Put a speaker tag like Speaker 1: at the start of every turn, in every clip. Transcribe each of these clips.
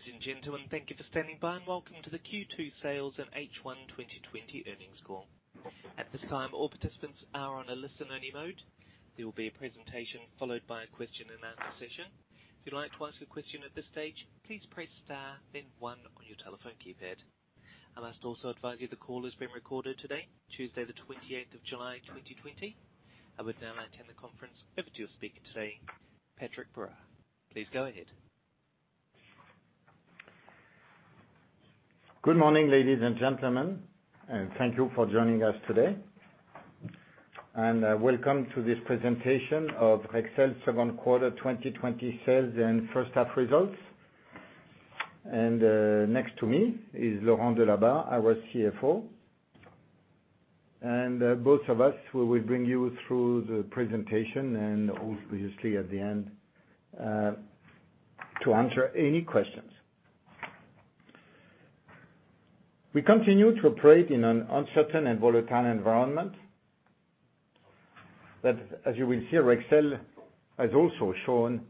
Speaker 1: Ladies and gentlemen, thank you for standing by. Welcome to the Q2 Sales and H1 2020 Earnings Call. At this time, all participants are on a listen-only mode. There will be a presentation followed by a question and answer session. If you'd like to ask a question at this stage, please press star then one on your telephone keypad. I must also advise you the call is being recorded today, Tuesday the 28th of July 2020. I would now hand the conference over to your speaker today, Patrick Berard. Please go ahead.
Speaker 2: Good morning, ladies and gentlemen, and thank you for joining us today. Welcome to this presentation of Rexel second quarter 2020 sales and first half results. Next to me is Laurent Delabarre, our CFO. Both of us will bring you through the presentation and obviously at the end, to answer any questions. We continue to operate in an uncertain and volatile environment. As you will see, Rexel has also shown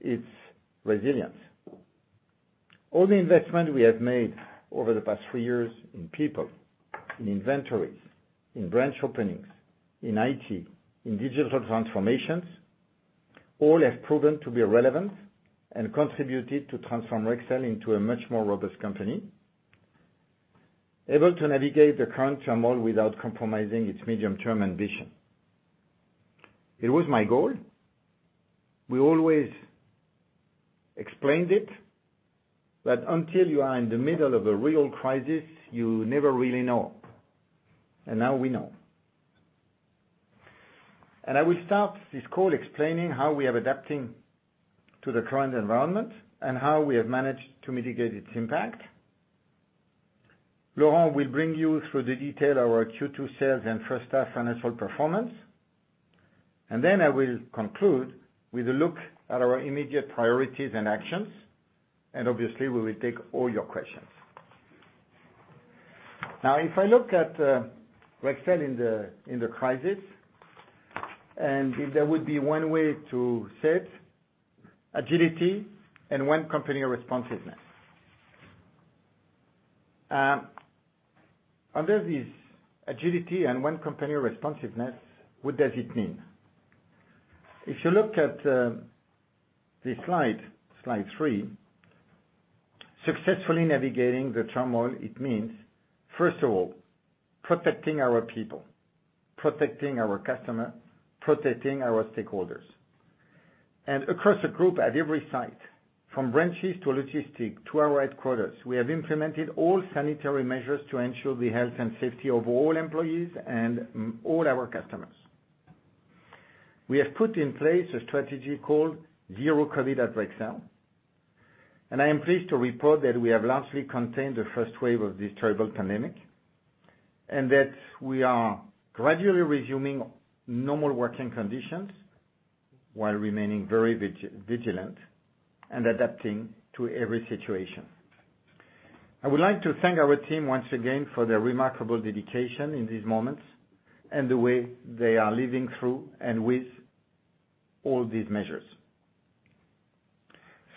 Speaker 2: its resilience. All the investment we have made over the past three years in people, in inventories, in branch openings, in IT, in digital transformations, all have proven to be relevant and contributed to transform Rexel into a much more robust company, able to navigate the current turmoil without compromising its medium-term ambition. It was my goal. We always explained it, that until you are in the middle of a real crisis, you never really know. Now we know. I will start this call explaining how we are adapting to the current environment and how we have managed to mitigate its impact. Laurent will bring you through the detail our Q2 sales and first half financial performance. Then I will conclude with a look at our immediate priorities and actions, and obviously, we will take all your questions. Now, if I look at Rexel in the crisis, and if there would be one way to set agility and one company responsiveness. Under this agility and one company responsiveness, what does it mean? If you look at this slide three, successfully navigating the turmoil, it means, first of all, protecting our people, protecting our customer, protecting our stakeholders. Across the group at every site, from branches to logistic to our headquarters, we have implemented all sanitary measures to ensure the health and safety of all employees and all our customers. We have put in place a strategy called Zero-COVID at Rexel, and I am pleased to report that we have largely contained the first wave of this terrible pandemic, and that we are gradually resuming normal working conditions while remaining very vigilant and adapting to every situation. I would like to thank our team once again for their remarkable dedication in these moments and the way they are living through and with all these measures.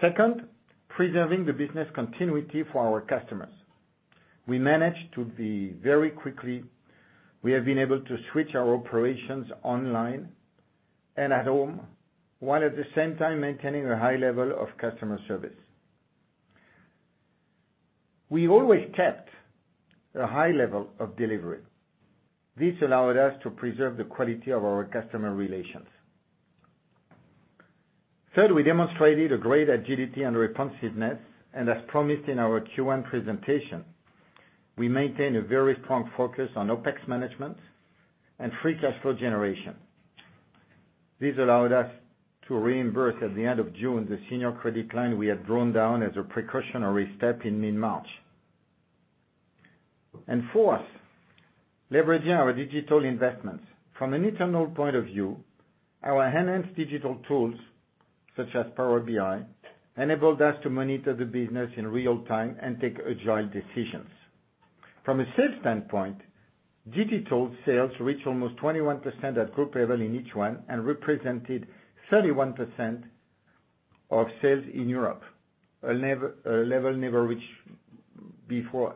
Speaker 2: Second, preserving the business continuity for our customers. We managed to be very quick. We have been able to switch our operations online and at home, while at the same time maintaining a high level of customer service. We always kept a high level of delivery. This allowed us to preserve the quality of our customer relations. Third, we demonstrated a great agility and responsiveness. As promised in our Q1 presentation, we maintain a very strong focus on OpEx management and free cash flow generation. This allowed us to reimburse at the end of June, the senior credit line we had drawn down as a precautionary step in mid-March. Fourth, leveraging our digital investments. From an internal point of view, our enhanced digital tools, such as Power BI, enabled us to monitor the business in real time and take agile decisions. From a sales standpoint, digital sales reach almost 21% at group level in H1 and represented 31% of sales in Europe. A level never reached before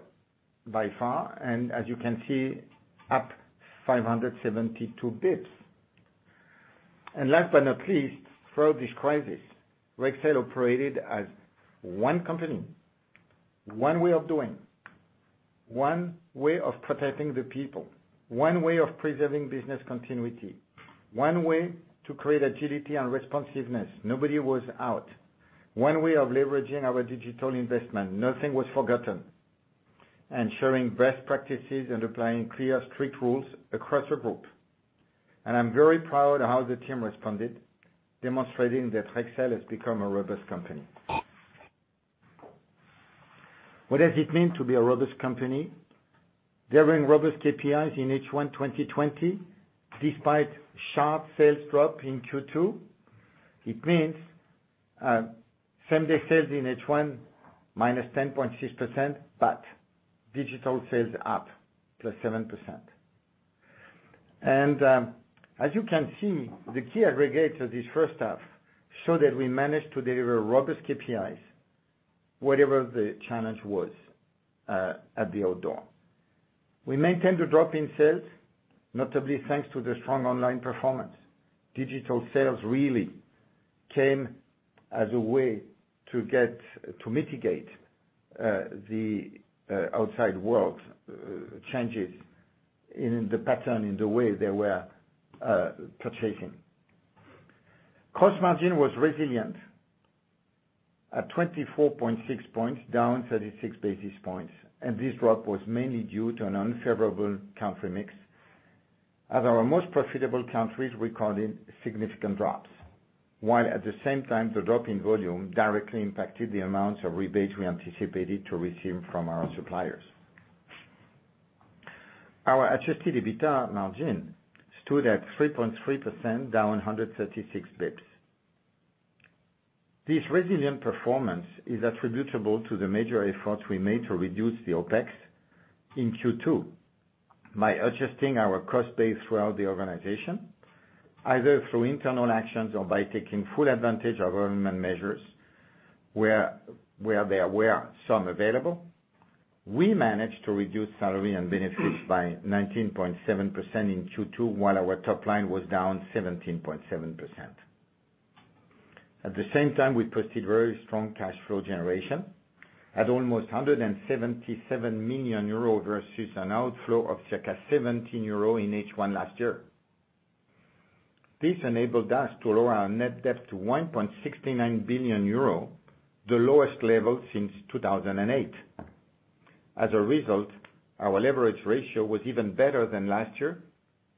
Speaker 2: by far. As you can see, up 572 basis points. Last but not least, throughout this crisis, Rexel operated as one company, one way of doing, one way of protecting the people, one way of preserving business continuity, one way to create agility and responsiveness. Nobody was out. One way of leveraging our digital investment. Nothing was forgotten. Sharing best practices and applying clear, strict rules across the group. I'm very proud of how the team responded, demonstrating that Rexel has become a robust company. What does it mean to be a robust company? Delivering robust KPIs in H1 2020 despite sharp sales drop in Q2. It means same-day sales in H1 -10.6%, but digital sales up +7%. As you can see, the key aggregates of this first half show that we managed to deliver robust KPIs, whatever the challenge was at the outdoor. We maintained a drop in sales, notably thanks to the strong online performance. Digital sales really came as a way to mitigate the outside world changes in the pattern, in the way they were purchasing. Gross margin was resilient at 24.6 points, down 36 basis points. This drop was mainly due to an unfavorable country mix, as our most profitable countries recorded significant drops. At the same time, the drop in volume directly impacted the amounts of rebates we anticipated to receive from our suppliers. Our adjusted EBITDA margin stood at 3.3%, down 136 basis points. This resilient performance is attributable to the major efforts we made to reduce the OpEx in Q2 by adjusting our cost base throughout the organization, either through internal actions or by taking full advantage of government measures, where there were some available. We managed to reduce salary and benefits by 19.7% in Q2, while our top line was down 17.7%. At the same time, we posted very strong cash flow generation at almost 177 million euro, versus an outflow of circa 17 million euro in H1 last year. This enabled us to lower our net debt to 1.69 billion euro, the lowest level since 2008. As a result, our leverage ratio was even better than last year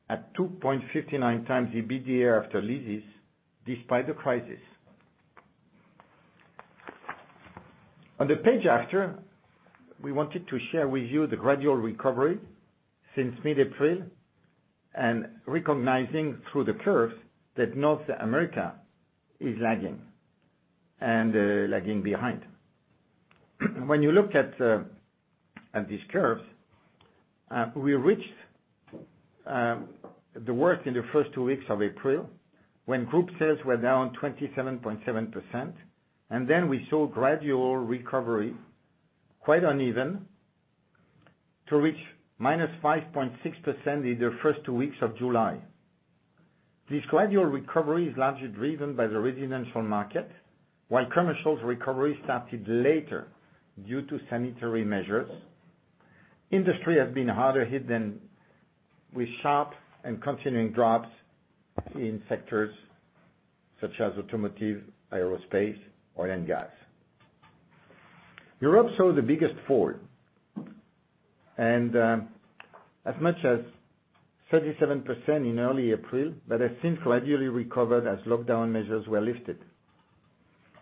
Speaker 2: at 2.59x the EBITDA after leases, despite the crisis. On the page after, we wanted to share with you the gradual recovery since mid-April, and recognizing through the curves that North America is lagging behind. When you look at these curves, we reached the worst in the first two weeks of April, when group sales were down 27.7%, and then we saw gradual recovery, quite uneven, to reach -5.6% in the first two weeks of July. This gradual recovery is largely driven by the residential market. While commercial's recovery started later due to sanitary measures, industry has been harder hit than with sharp and continuing drops in sectors such as automotive, aerospace, oil, and gas. Europe saw the biggest fall, and as much as 37% in early April, but has since gradually recovered as lockdown measures were lifted.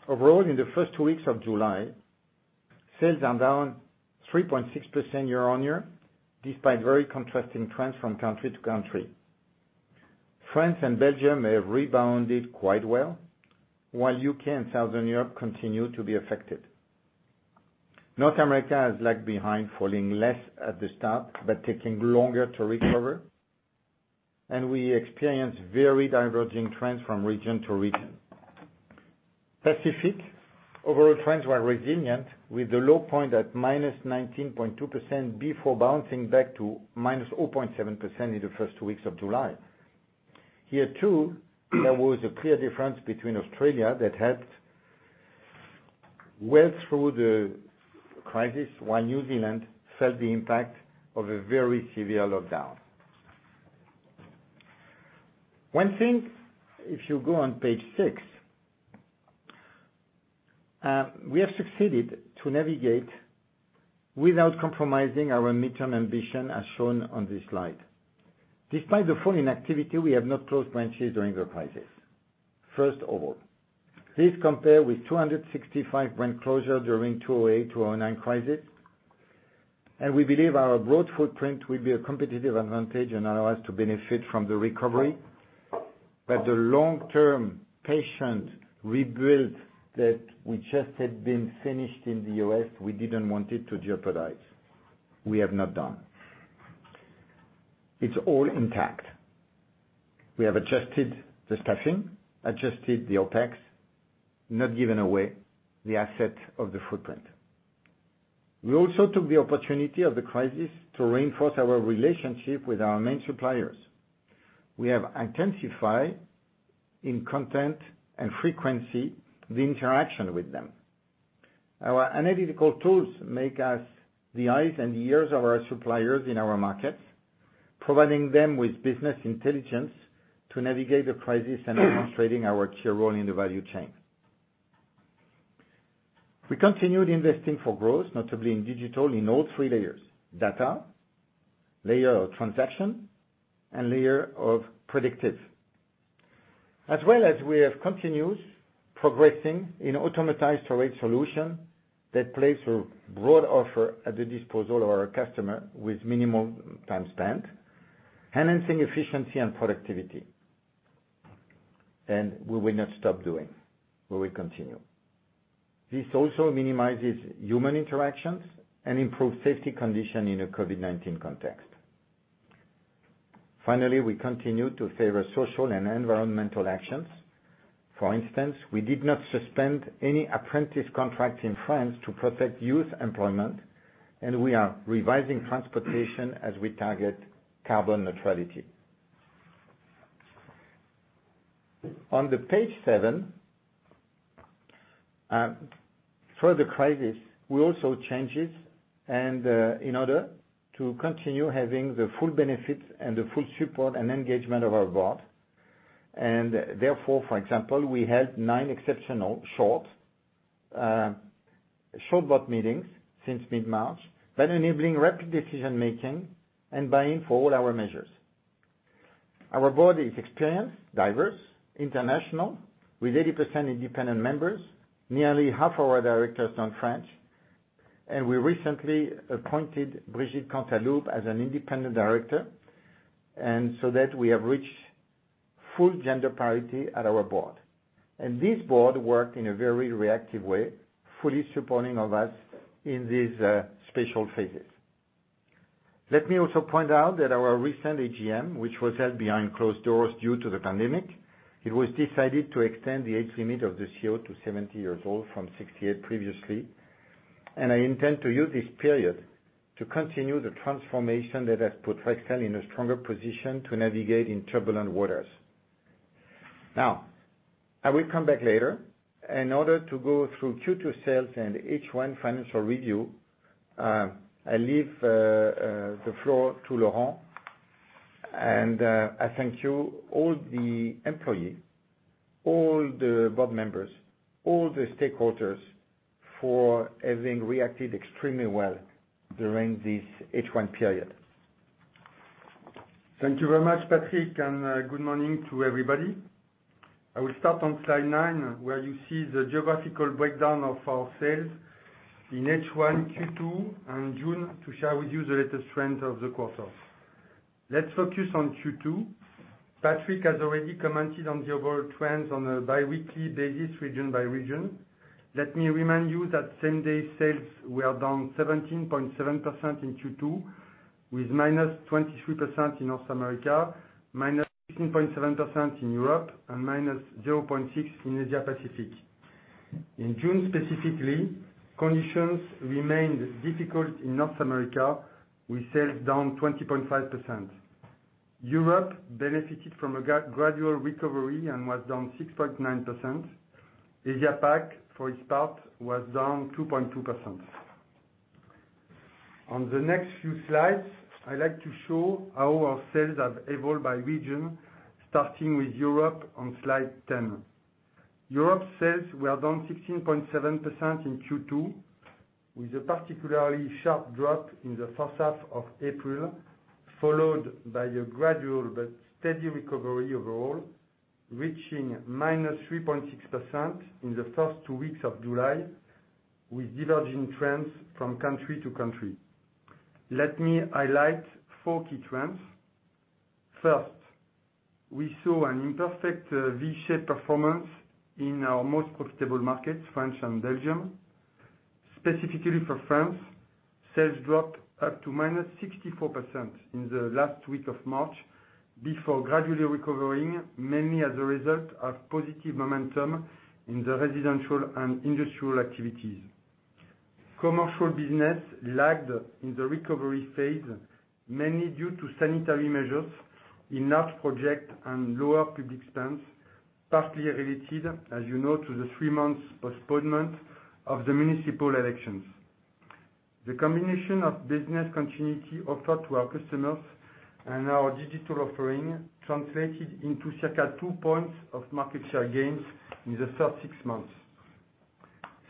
Speaker 2: Overall, in the first two weeks of July, sales are down 3.6% year-on-year, despite very contrasting trends from country to country. France and Belgium have rebounded quite well, while U.K. and Southern Europe continue to be affected. North America has lagged behind, falling less at the start but taking longer to recover, and we experience very diverging trends from region to region. Pacific, overall trends were resilient, with the low point at -19.2% before bouncing back to -0.7% in the first two weeks of July. Here too, there was a clear difference between Australia, that held well through the crisis, while New Zealand felt the impact of a very severe lockdown. One thing, if you go on page six, we have succeeded to navigate without compromising our midterm ambition, as shown on this slide. Despite the fall in activity, we have not closed branches during the crisis. First of all, this compare with 265 branch closure during 2008-2009 crisis, and we believe our broad footprint will be a competitive advantage and allow us to benefit from the recovery. The long-term patient rebuild that we just had been finished in the U.S., we didn't want it to jeopardize. We have not done. It's all intact. We have adjusted the staffing, adjusted the OpEx, not given away the asset of the footprint. We also took the opportunity of the crisis to reinforce our relationship with our main suppliers. We have intensified, in content and frequency, the interaction with them. Our analytical tools make us the eyes and ears of our suppliers in our markets, providing them with business intelligence to navigate the crisis and demonstrating our key role in the value chain. We continued investing for growth, notably in digital, in all three layers: data, layer of transaction, and layer of predictive. We have continued progressing in automatized storage solution that places a broad offer at the disposal of our customer with minimal time spent, enhancing efficiency and productivity. We will not stop doing. We will continue. This also minimizes human interactions and improves safety conditions in a COVID-19 context. Finally, we continue to favor social and environmental actions. For instance, we did not suspend any apprentice contracts in France to protect youth employment. We are revising transportation as we target carbon neutrality. On page seven, for the crisis, we also changed it in order to continue having the full benefits and the full support and engagement of our board. Therefore, for example, we held nine exceptional short board meetings since mid-March, then enabling rapid decision-making and buy-in for all our measures. Our board is experienced, diverse, international, with 80% independent members, nearly half our directors non-French. We recently appointed Brigitte Cantaloube as an independent director, so that we have reached full gender parity at our board. This board worked in a very reactive way, fully supporting of us in these special phases. Let me also point out that our recent AGM, which was held behind closed doors due to the pandemic, it was decided to extend the age limit of the CEO to 70 years old from 68 previously. I intend to use this period to continue the transformation that has put Rexel in a stronger position to navigate in turbulent waters. Now, I will come back later in order to go through Q2 sales and H1 financial review. I leave the floor to Laurent, and I thank you, all the employees, all the board members, all the stakeholders for having reacted extremely well during this H1 period.
Speaker 3: Thank you very much, Patrick, and good morning to everybody. I will start on slide nine, where you see the geographical breakdown of our sales in H1, Q2 and June to share with you the latest trends of the quarter. Let's focus on Q2. Patrick has already commented on the overall trends on a biweekly basis, region by region. Let me remind you that same-day sales were down 17.7% in Q2, with -23% in North America, -16.7% in Europe, and -0.6% in Asia-Pacific. In June specifically, conditions remained difficult in North America, with sales down 20.5%. Europe benefited from a gradual recovery and was down 6.9%. Asia-Pac, for its part, was down 2.2%. On the next few slides, I like to show how our sales have evolved by region, starting with Europe on slide 10. Europe sales were down 16.7% in Q2, with a particularly sharp drop in the first half of April, followed by a gradual but steady recovery overall, reaching -3.6% in the first two weeks of July, with diverging trends from country to country. Let me highlight four key trends. First, we saw an imperfect V-shaped performance in our most profitable markets, France and Belgium. Specifically for France, sales dropped up to -64% in the last week of March before gradually recovering, mainly as a result of positive momentum in the residential and industrial activities. Commercial business lagged in the recovery phase, mainly due to sanitary measures in large project and lower public spends, partly related, as you know, to the three months postponement of the municipal elections. The combination of business continuity offered to our customers and our digital offering translated into circa two points of market share gains in the first six months.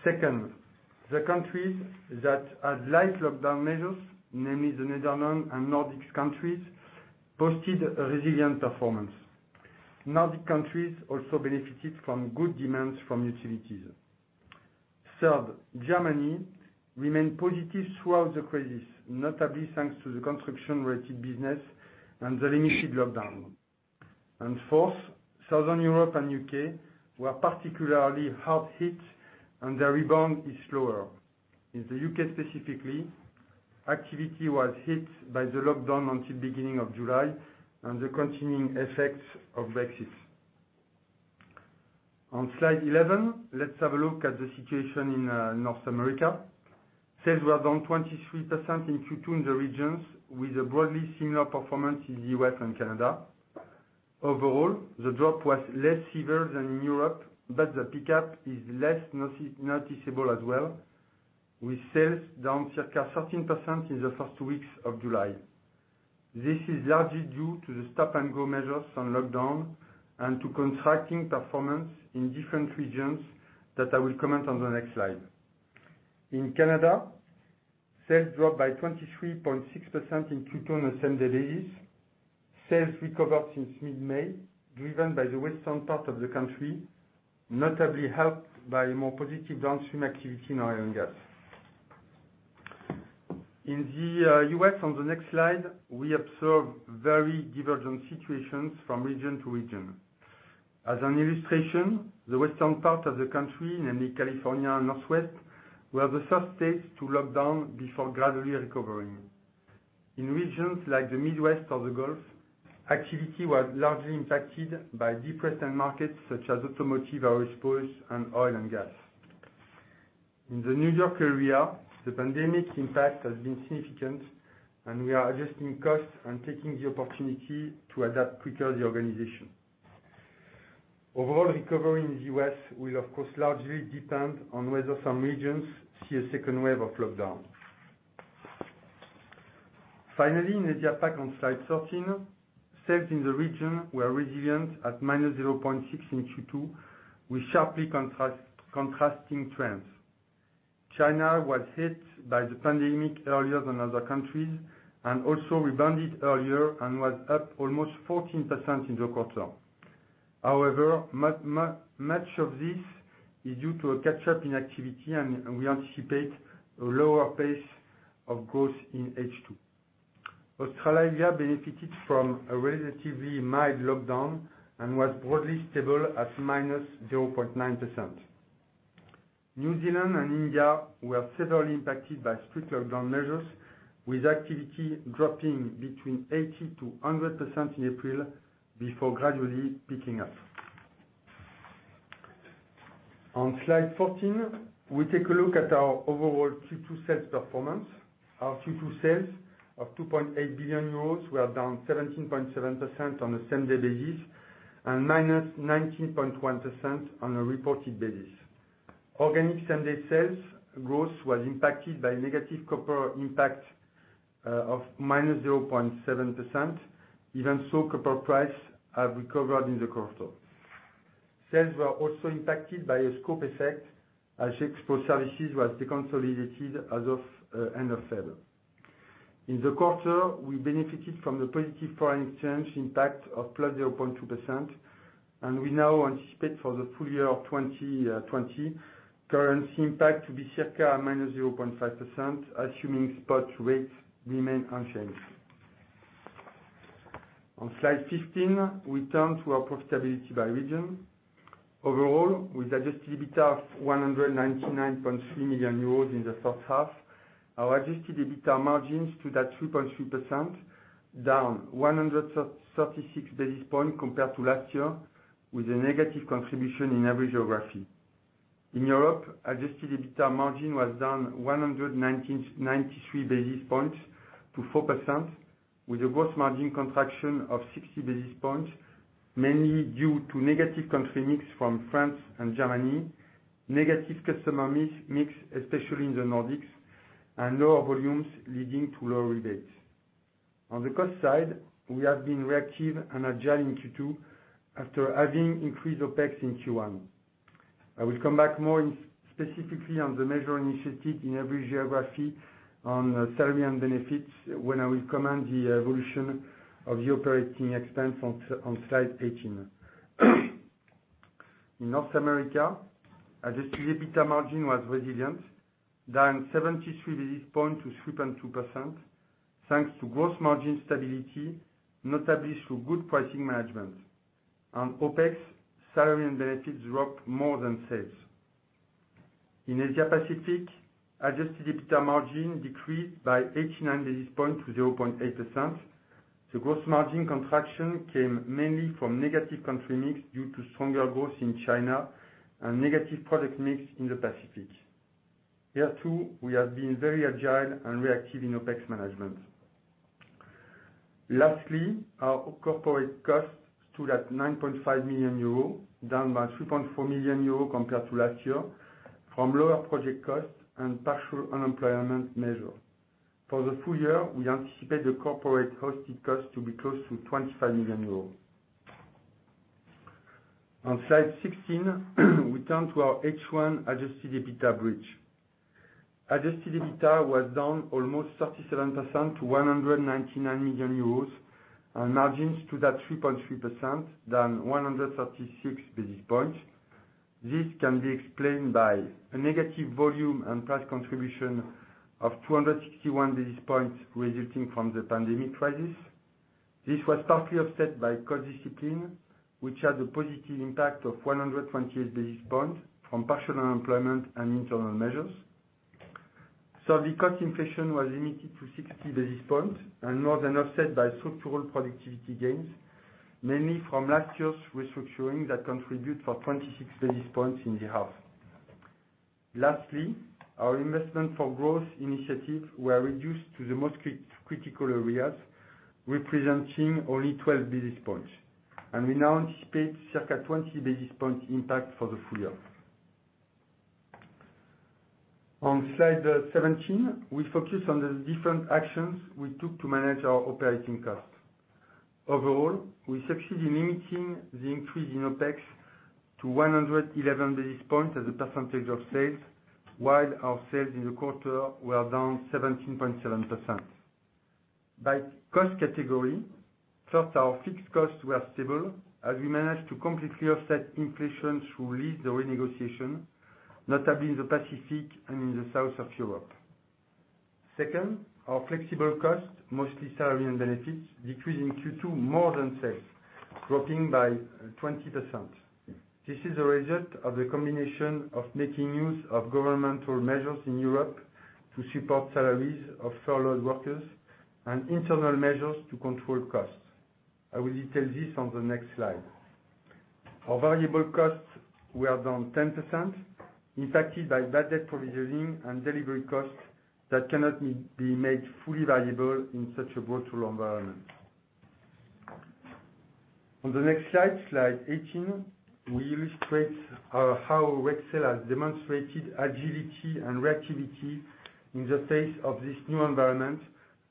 Speaker 3: Second, the countries that had light lockdown measures, namely the Netherlands and Nordic countries, posted a resilient performance. Nordic countries also benefited from good demands from utilities. Third, Germany remained positive throughout the crisis, notably thanks to the construction-related business and the limited lockdown. Fourth, Southern Europe and U.K. were particularly hard hit, and the rebound is slower. In the U.K. specifically, activity was hit by the lockdown until beginning of July and the continuing effects of Brexit. On slide 11, let's have a look at the situation in North America. Sales were down 23% in Q2 in the regions, with a broadly similar performance in the U.S. and Canada. Overall, the drop was less severe than in Europe, but the pickup is less noticeable as well, with sales down circa 13% in the first two weeks of July. This is largely due to the stop-and-go measures on lockdown and to contracting performance in different regions that I will comment on the next slide. In Canada, sales dropped by 23.6% in Q2 on a same-day basis. Sales recovered since mid-May, driven by the western part of the country, notably helped by a more positive downstream activity in oil and gas. In the U.S., on the next slide, we observe very divergent situations from region to region. As an illustration, the western part of the country, namely California and Northwest, were the first states to lock down before gradually recovering. In regions like the Midwest or the Gulf, activity was largely impacted by depressed end markets such as automotive, aerospace, and oil and gas. In the New York area, the pandemic's impact has been significant, and we are adjusting costs and taking the opportunity to adapt quicker the organization. Overall recovery in the U.S. will, of course, largely depend on whether some regions see a second wave of lockdown. Finally, in Asia-Pac, on slide 13, sales in the region were resilient at -0.6% in Q2, with sharply contrasting trends. China was hit by the pandemic earlier than other countries and also rebounded earlier and was up almost 14% in the quarter. However, much of this is due to a catch-up in activity, and we anticipate a lower pace of growth in H2. Australia benefited from a relatively mild lockdown and was broadly stable at -0.9%. New Zealand and India were severely impacted by strict lockdown measures, with activity dropping between 80%-100% in April before gradually picking up. On slide 14, we take a look at our overall Q2 sales performance. Our Q2 sales of 2.8 billion euros were down 17.7% on a same-day basis and -19.1% on a reported basis. Organic same-day sales growth was impacted by negative copper impact of -0.7%. Even so, copper prices have recovered in the quarter. Sales were also impacted by a scope effect as Gexpro Services was deconsolidated as of end of February. In the quarter, we benefited from the positive foreign exchange impact of +0.2%, and we now anticipate for the full year of 2020 currency impact to be circa -0.5%, assuming spot rates remain unchanged. On slide 15, we turn to our profitability by region. Overall, with adjusted EBITDA of 199.3 million euros in the first half, our adjusted EBITDA margins stood at 3.3%, down 136 basis points compared to last year, with a negative contribution in every geography. In Europe, adjusted EBITDA margin was down 193 basis points to 4%, with a gross margin contraction of 60 basis points, mainly due to negative country mix from France and Germany, negative customer mix, especially in the Nordics, and lower volumes leading to lower rebates. On the cost side, we have been reactive and agile in Q2 after having increased OpEx in Q1. I will come back more specifically on the measure initiative in every geography on salary and benefits when I will comment the evolution of the operating expense on slide 18. In North America, adjusted EBITDA margin was resilient, down 73 basis points to 3.2%, thanks to gross margin stability, notably through good pricing management. On OpEx, salary and benefits dropped more than sales. In Asia-Pacific, adjusted EBITDA margin decreased by 89 basis points to 0.8%. The gross margin contraction came mainly from negative country mix due to stronger growth in China and negative product mix in the Pacific. Here, too, we have been very agile and reactive in OpEx management. Lastly, our corporate costs stood at 9.5 million euro, down by 3.4 million euro compared to last year from lower project costs and partial unemployment measures. For the full year, we anticipate the corporate hosted cost to be close to 25 million euros. On slide 16, we turn to our H1 adjusted EBITDA bridge. Adjusted EBITDA was down almost 37% to 199 million euros, and margins stood at 3.3%, down 136 basis points. This can be explained by a negative volume and price contribution of 261 basis points resulting from the pandemic crisis. This was partly offset by cost discipline, which had a positive impact of 128 basis points from partial unemployment and internal measures. Service cost inflation was limited to 60 basis points and more than offset by structural productivity gains, mainly from last year's restructuring that contribute for 26 basis points in the half. Lastly, our investment for growth initiatives were reduced to the most critical areas, representing only 12 basis points, and we now anticipate circa 20 basis points impact for the full year. On slide 17, we focus on the different actions we took to manage our operating costs. Overall, we succeeded in limiting the increase in OpEx to 111 basis points as a percentage of sales, while our sales in the quarter were down 17.7%. By cost category. First, our fixed costs were stable as we managed to completely offset inflation through lease renegotiation, notably in the Pacific and in the south of Europe. Second, our flexible cost, mostly salary and benefits, decreased in Q2 more than sales, dropping by 20%. This is a result of the combination of making use of governmental measures in Europe to support salaries of furloughed workers and internal measures to control costs. I will detail this on the next slide. Our variable costs were down 10%, impacted by bad debt provisioning and delivery costs that cannot be made fully variable in such a volatile environment. On the next slide 18, we illustrate how Rexel has demonstrated agility and reactivity in the face of this new environment,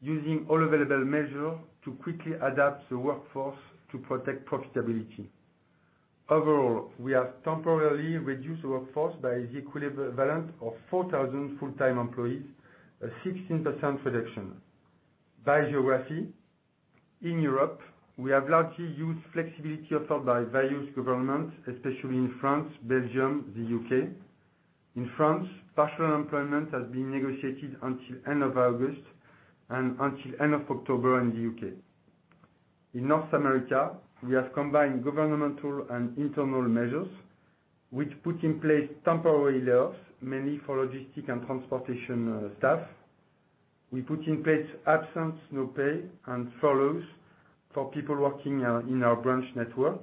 Speaker 3: using all available measures to quickly adapt the workforce to protect profitability. Overall, we have temporarily reduced workforce by the equivalent of 4,000 full-time employees, a 16% reduction. By geography, in Europe, we have largely used flexibility offered by various governments, especially in France, Belgium, the U.K. In France, partial employment has been negotiated until end of August and until end of October in the U.K. In North America, we have combined governmental and internal measures, which put in place temporary layoffs, mainly for logistic and transportation staff. We put in place absence, no pay, and furloughs for people working in our branch network.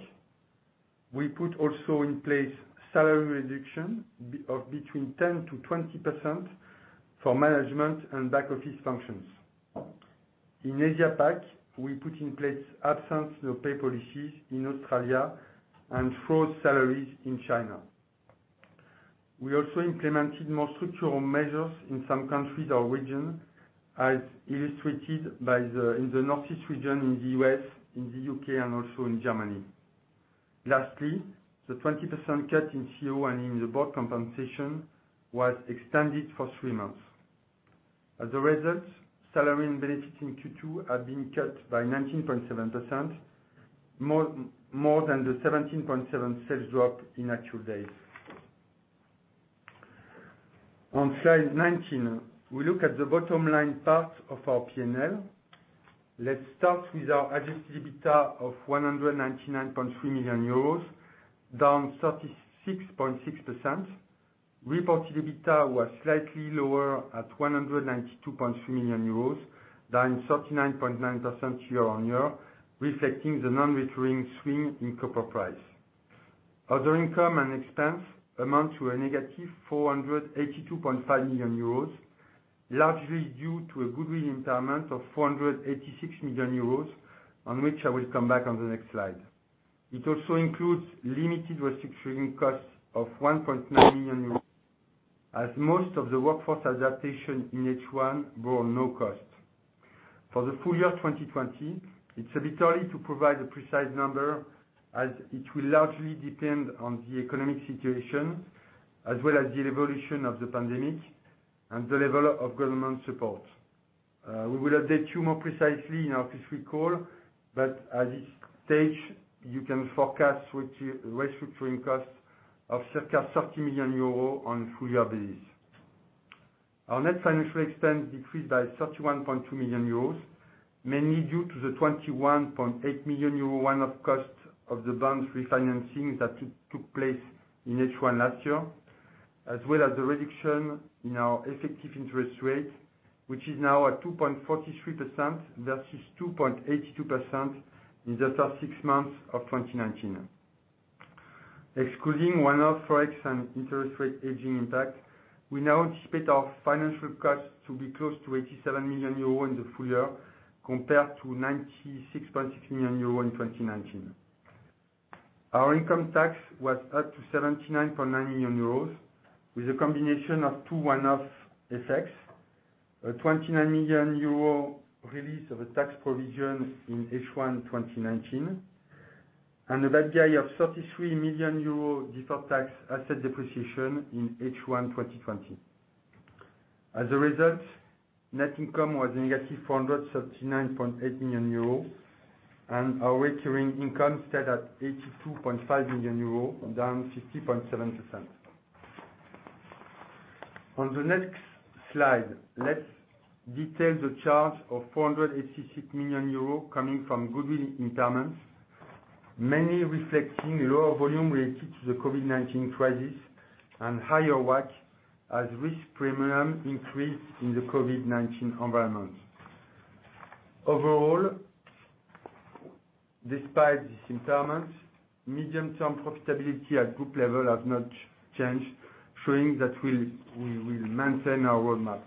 Speaker 3: We put also in place salary reduction of between 10%-20% for management and back office functions. In Asia-Pac, we put in place absence, no pay policies in Australia and froze salaries in China. We also implemented more structural measures in some countries or regions as illustrated in the Northeast region in the U.S., in the U.K., and also in Germany. Lastly, the 20% cut in CEO and in the board compensation was extended for three months. As a result, salary and benefits in Q2 have been cut by 19.7%, more than the 17.7% sales drop in actual days. On slide 19, we look at the bottom line part of our P&L. Let's start with our adjusted EBITDA of 199.3 million euros, down 36.6%. Reported EBITDA was slightly lower at 192.3 million euros, down 39.9% year-on-year, reflecting the non-recurring swing in copper price. Other income and expense amount to a negative 482.5 million euros, largely due to a goodwill impairment of 486 million euros, on which I will come back on the next slide. It also includes limited restructuring costs of 1.9 million euros as most of the workforce adaptation in H1 bore no cost. For the full year 2020, it's arbitrary to provide a precise number, as it will largely depend on the economic situation, as well as the evolution of the pandemic and the level of government support. We will update you more precisely in our Q3 call, but at this stage, you can forecast restructuring costs of circa 30 million euro on full year basis. Our net financial expense decreased by 31.2 million euros, mainly due to the 21.8 million euro one-off cost of the bonds refinancing that took place in H1 last year, as well as the reduction in our effective interest rate, which is now at 2.43% versus 2.82% in the first six months of 2019. Excluding one-off ForEx and interest rate hedging impact, we now anticipate our financial costs to be close to 87 million euro in the full year compared to 96.6 million euro in 2019. Our income tax was up to 79.9 million euros with a combination of two one-off effects, a 29 million euro release of a tax provision in H1 2019, and a write-down of 33 million euros deferred tax asset depreciation in H1 2020. As a result, net income was a negative 439.8 million euros, and our recurring income stood at 82.5 million euros, down 50.7%. On the next slide, let's detail the charge of 486 million euros coming from goodwill impairments, mainly reflecting lower volume related to the COVID-19 crisis and higher WACC as risk premium increased in the COVID-19 environment. Overall, despite this impairment, medium-term profitability at group level has not changed, showing that we will maintain our roadmap.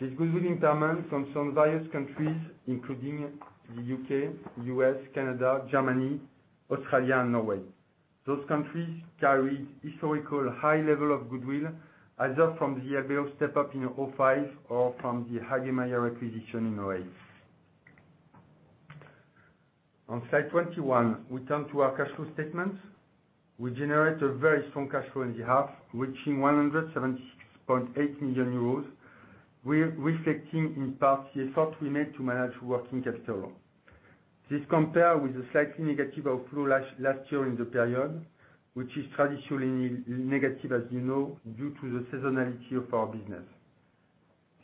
Speaker 3: This goodwill impairment comes from various countries, including the U.K., U.S., Canada, Germany, Australia, and Norway. Those countries carried historical high level of goodwill, either from the LBO step-up in 2005 or from the Hagemeyer acquisition in 2008. On slide 21, we turn to our cash flow statement. We generate a very strong cash flow in the half, reaching 176.8 million euros, reflecting in part the effort we made to manage working capital. This compare with a slightly negative flow last year in the period, which is traditionally negative, as you know, due to the seasonality of our business.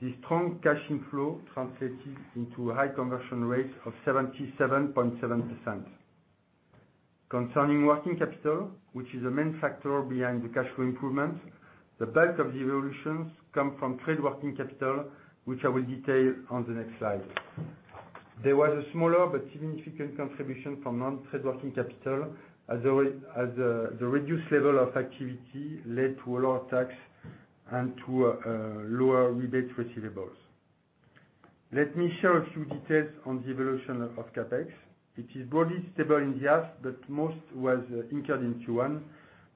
Speaker 3: This strong cash inflow translated into a high conversion rate of 77.7%. Concerning working capital, which is a main factor behind the cash flow improvement, the bulk of the evolutions come from trade working capital, which I will detail on the next slide. There was a smaller but significant contribution from non-trade working capital, as the reduced level of activity led to lower tax and to lower rebate receivables. Let me share a few details on the evolution of CapEx. It is broadly stable in the half, but most was incurred in Q1.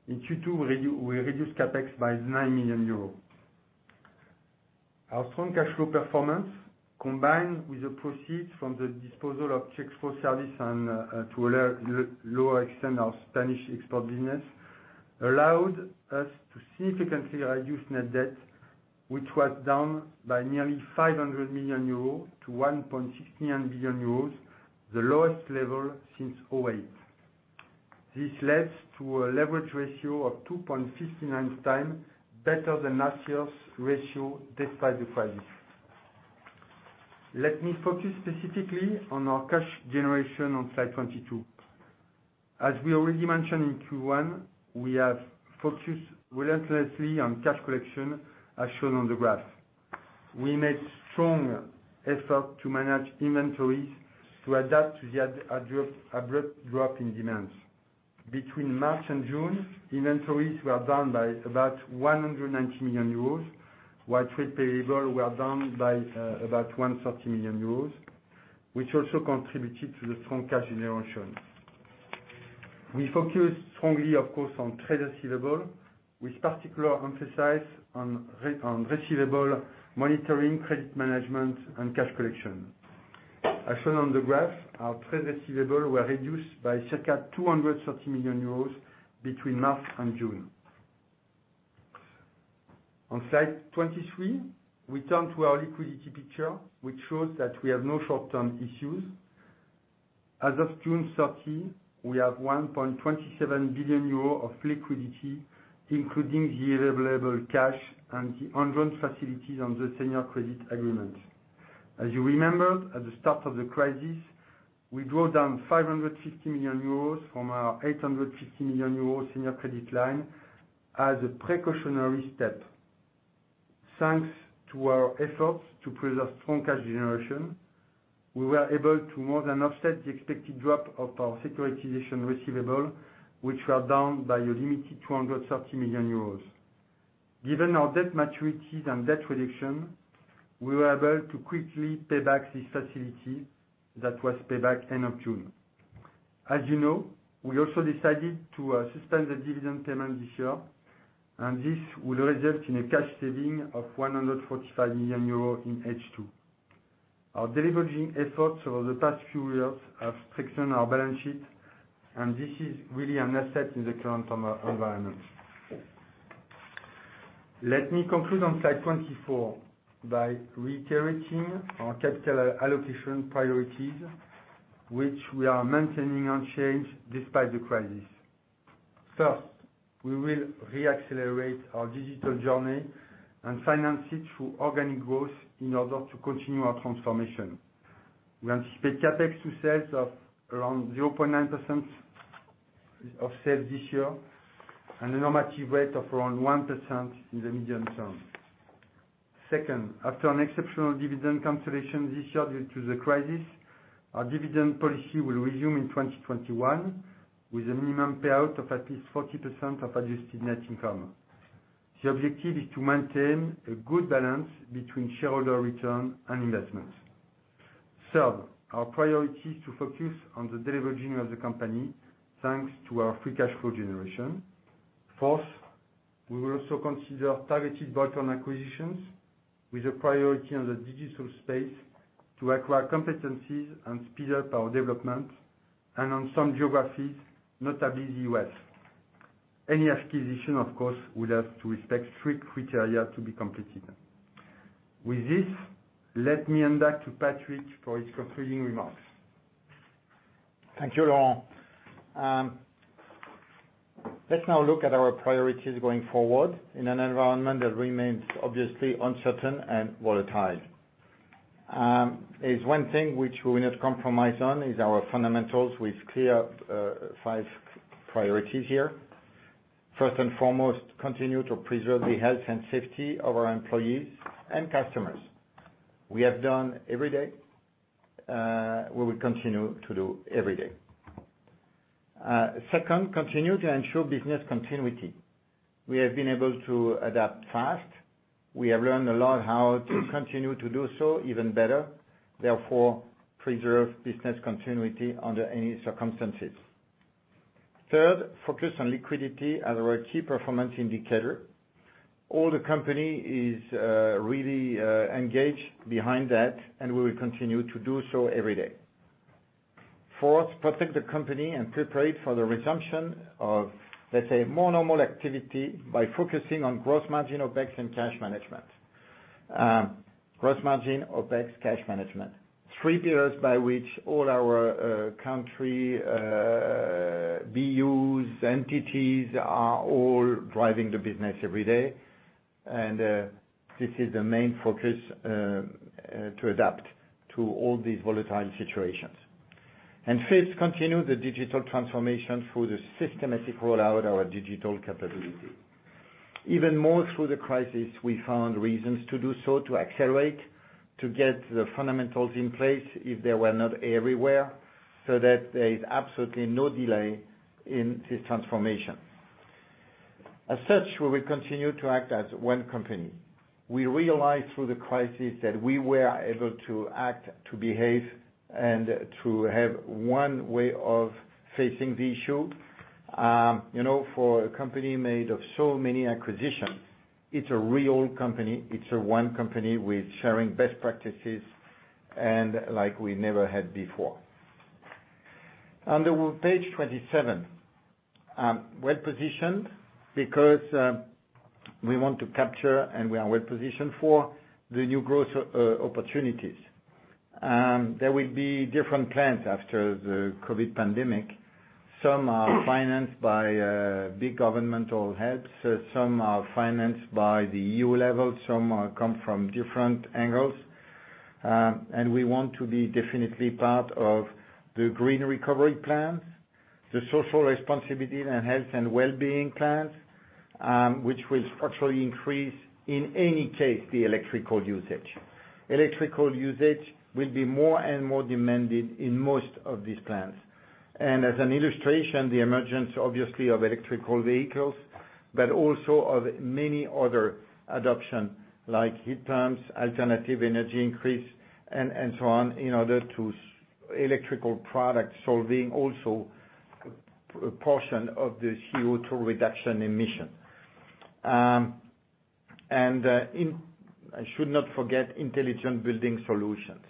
Speaker 3: In Q2, we reduced CapEx by 9 million euros. Our strong cash flow performance, combined with the proceeds from the disposal of Check4Service and, to a lower extent, our Spanish export business, allowed us to significantly reduce net debt, which was down by nearly 500 million euros- 1.69 billion euros, the lowest level since 2008. This led to a leverage ratio of 2.59x, better than last year's ratio despite the crisis. Let me focus specifically on our cash generation on slide 22. As we already mentioned in Q1, we have focused relentlessly on cash collection, as shown on the graph. We made strong effort to manage inventories to adapt to the abrupt drop in demands. Between March and June, inventories were down by about 190 million euros, while trade payables were down by about 130 million euros, which also contributed to the strong cash generation. We focus strongly, of course, on trade receivables, with particular emphasis on receivable monitoring, credit management and cash collection. As shown on the graph, our trade receivables were reduced by circa 230 million euros between March and June. On slide 23, we turn to our liquidity picture, which shows that we have no short-term issues. As of June 30, we have 1.27 billion euros of liquidity, including the available cash and the undrawn facilities on the Senior Credit Agreement. As you remember, at the start of the crisis, we drew down 550 million euros from our 850 million euros Senior Credit Agreement as a precautionary step. Thanks to our efforts to preserve strong cash generation, we were able to more than offset the expected drop of our securitization receivable, which were down by a limited 230 million euros. Given our debt maturities and debt reduction, we were able to quickly pay back this facility that was paid back end of June. As you know, we also decided to suspend the dividend payment this year. This will result in a cash saving of 145 million euros in H2. Our deleveraging efforts over the past few years have strengthened our balance sheet. This is really an asset in the current environment. Let me conclude on slide 24 by reiterating our capital allocation priorities, which we are maintaining unchanged despite the crisis. First, we will re-accelerate our digital journey and finance it through organic growth in order to continue our transformation. We anticipate CapEx to sales of around 0.9% of sales this year, and a normative rate of around 1% in the medium term. Second, after an exceptional dividend cancellation this year due to the crisis, our dividend policy will resume in 2021 with a minimum payout of at least 40% of adjusted net income. The objective is to maintain a good balance between shareholder return and investment. Third, our priority is to focus on the deleveraging of the company, thanks to our free cash flow generation. Fourth, we will also consider targeted bolt-on acquisitions with a priority on the digital space to acquire competencies and speed up our development and on some geographies, notably the U.S. Any acquisition, of course, will have to respect strict criteria to be completed. With this, let me hand back to Patrick for his concluding remarks.
Speaker 2: Thank you, Laurent. Let's now look at our priorities going forward in an environment that remains obviously uncertain and volatile. There's one thing which we will not compromise on is our fundamentals with clear five priorities here. First and foremost, continue to preserve the health and safety of our employees and customers. We have done every day, we will continue to do every day. Second, continue to ensure business continuity. We have been able to adapt fast. We have learned a lot how to continue to do so even better, therefore preserve business continuity under any circumstances. Third, focus on liquidity as our key performance indicator. All the company is really engaged behind that, and we will continue to do so every day. Fourth, protect the company and prepare it for the resumption of, let's say, more normal activity by focusing on gross margin, OpEx, and cash management. Gross margin, OpEx, cash management. Three pillars by which all our country, BUs, entities, are all driving the business every day. This is the main focus to adapt to all these volatile situations. Fifth, continue the digital transformation through the systematic rollout of our digital capability. Even more through the crisis, we found reasons to do so, to accelerate, to get the fundamentals in place if they were not everywhere, so that there is absolutely no delay in this transformation. As such, we will continue to act as one company. We realized through the crisis that we were able to act, to behave, and to have one way of facing the issue. For a company made of so many acquisitions, it's a real company. It's a one company with sharing best practices and like we never had before. On page 27. Well-positioned because we want to capture, and we are well-positioned for, the new growth opportunities. There will be different plans after the COVID pandemic. Some are financed by big governmental helps, some are financed by the EU level, some come from different angles. We want to be definitely part of the green recovery plans, the social responsibility and health and wellbeing plans, which will structurally increase, in any case, the electrical usage. Electrical usage will be more and more demanded in most of these plans. As an illustration, the emergence, obviously, of electrical vehicles, but also of many other adoption like heat pumps, alternative energy increase, and so on, in order to electrical product solving also a portion of the CO2 reduction emission. I should not forget intelligent building solutions.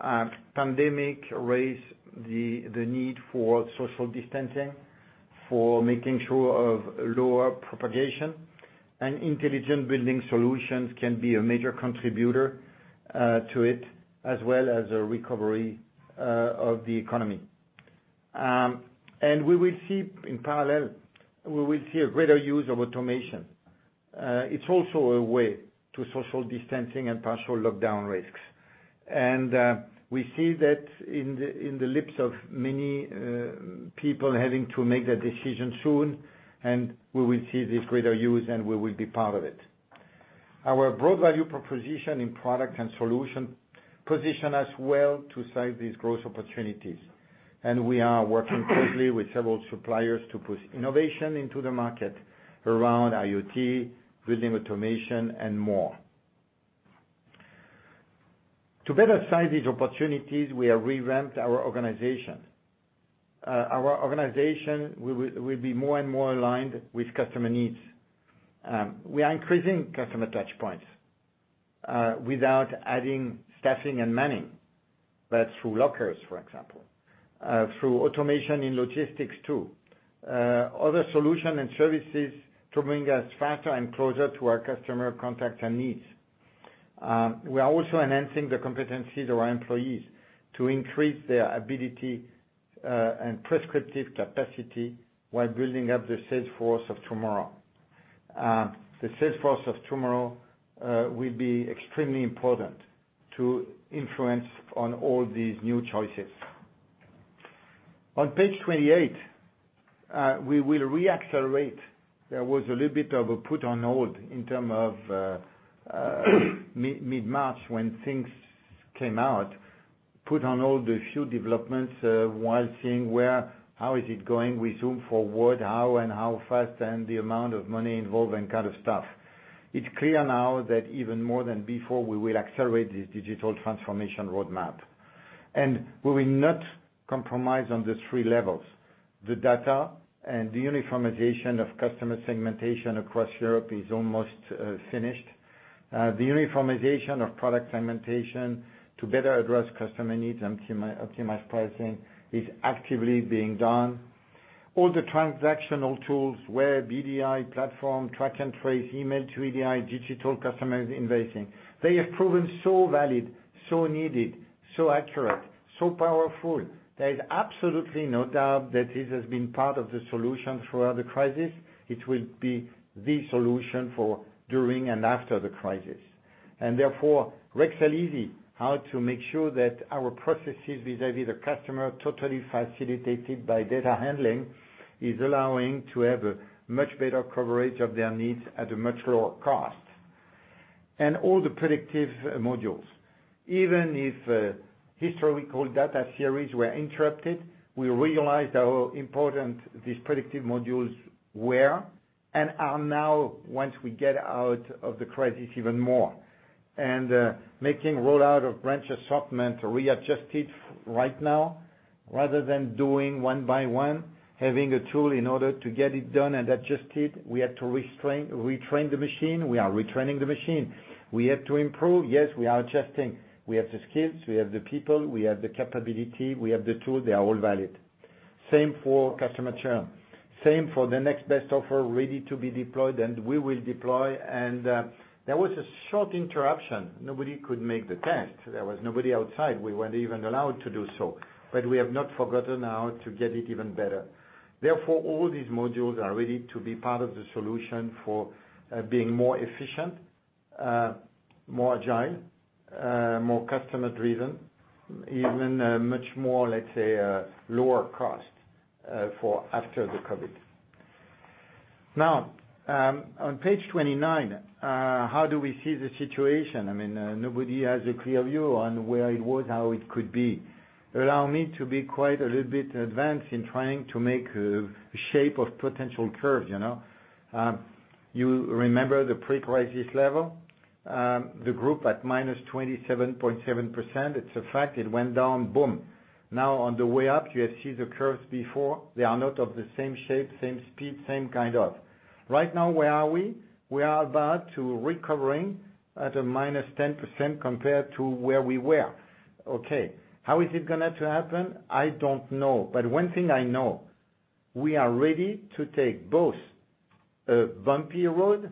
Speaker 2: Pandemic raised the need for social distancing, for making sure of lower propagation. Intelligent building solutions can be a major contributor to it, as well as a recovery of the economy. In parallel, we will see a greater use of automation. It's also a way to social distancing and partial lockdown risks. We see that in the lips of many people having to make that decision soon, and we will see this greater use, and we will be part of it. Our broad value proposition in product and solution position us well to seize these growth opportunities, and we are working closely with several suppliers to push innovation into the market around IoT, building automation, and more. To better seize these opportunities, we have revamped our organization. Our organization will be more and more aligned with customer needs. We are increasing customer touchpoints, without adding staffing and manning, but through lockers, for example, through automation in logistics too. Other solution and services to bring us faster and closer to our customer contacts and needs. We are also enhancing the competencies of our employees to increase their ability and prescriptive capacity while building up the sales force of tomorrow. The sales force of tomorrow will be extremely important to influence on all these new choices. On page 28, we will re-accelerate. There was a little bit of a put on hold in term of mid-March when things came out, put on hold a few developments while seeing how is it going? We zoom forward, how and how fast, the amount of money involved and kind of stuff. It's clear now that even more than before, we will accelerate this digital transformation roadmap. We will not compromise on the three levels. The data and the uniformization of customer segmentation across Europe is almost finished. The uniformization of product segmentation to better address customer needs and optimize pricing is actively being done. All the transactional tools, web, EDI platform, track and trace, email to EDI, digital customer invoicing, they have proven so valid, so needed, so accurate, so powerful. There is absolutely no doubt that this has been part of the solution throughout the crisis. It will be the solution for during and after the crisis. Therefore, Rexel Easy, how to make sure that our processes vis-à-vis the customer, totally facilitated by data handling, is allowing to have a much better coverage of their needs at a much lower cost. All the predictive modules. Even if historical data series were interrupted, we realized how important these predictive modules were and are now, once we get out of the crisis, even more. Making rollout of branch assortment readjusted right now, rather than doing one by one, having a tool in order to get it done and adjusted. We had to retrain the machine. We are retraining the machine. We have to improve. Yes, we are adjusting. We have the skills, we have the people, we have the capability, we have the tool. They are all valid. Same for customer churn, same for the next best offer ready to be deployed, and we will deploy. There was a short interruption. Nobody could make the test. There was nobody outside. We weren't even allowed to do so. We have not forgotten how to get it even better. Therefore, all these modules are ready to be part of the solution for being more efficient, more agile, more customer-driven, even much more, let's say, lower cost for after the COVID. On page 29, how do we see the situation? Nobody has a clear view on where it was, how it could be. Allow me to be quite a little bit advanced in trying to make a shape of potential curve. You remember the pre-crisis level, the group at -27.7%. It's a fact. It went down, boom. On the way up, you have seen the curves before. They are not of the same shape, same speed, same kind of. Right now, where are we? We are about to recovering at a -10% compared to where we were. Okay. How is it going to happen? I don't know. One thing I know, we are ready to take both a bumpy road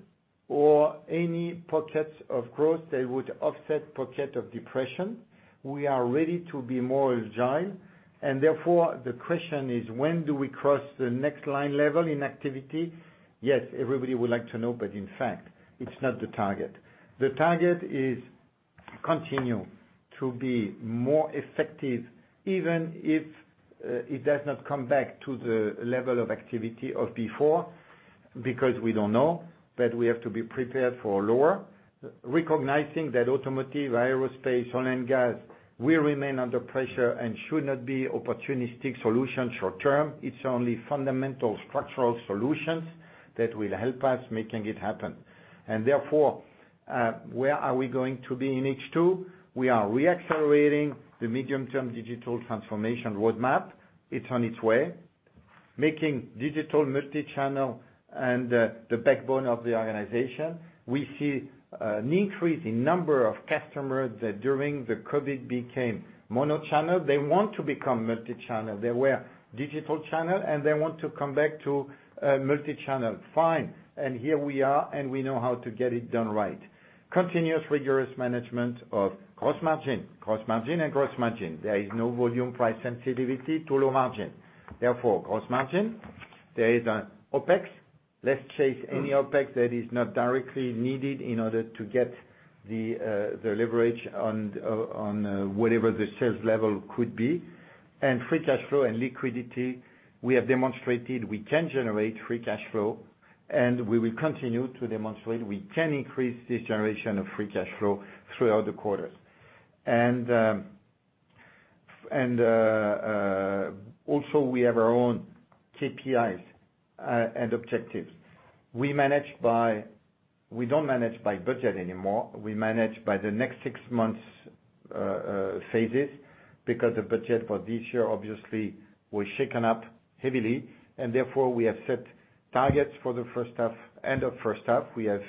Speaker 2: or any pockets of growth that would offset pocket of depression. We are ready to be more agile. Therefore, the question is: When do we cross the next line level in activity? Yes, everybody would like to know, but in fact, it's not the target. The target is continue to be more effective, even if it does not come back to the level of activity of before, because we don't know, but we have to be prepared for lower. Recognizing that automotive, aerospace, oil and gas will remain under pressure and should not be opportunistic solution short-term. It's only fundamental structural solutions that will help us making it happen. Therefore, where are we going to be in H2? We are re-accelerating the medium-term digital transformation roadmap. It's on its way, making digital multi-channel and the backbone of the organization. We see an increase in number of customers that during the COVID became mono channel. They want to become multi-channel. They were digital channel, they want to come back to multi-channel. Fine. Here we are, and we know how to get it done right. Continuous rigorous management of gross margin. Gross margin and gross margin. There is no volume price sensitivity to low margin. Therefore, gross margin, there is an OpEx. Let's chase any OpEx that is not directly needed in order to get the leverage on whatever the sales level could be. Free cash flow and liquidity, we have demonstrated we can generate free cash flow, and we will continue to demonstrate we can increase this generation of free cash flow throughout the quarters. Also, we have our own KPIs and objectives. We don't manage by budget anymore. We manage by the next six months phases, because the budget for this year obviously was shaken up heavily, and therefore, we have set targets for the end of first half. We have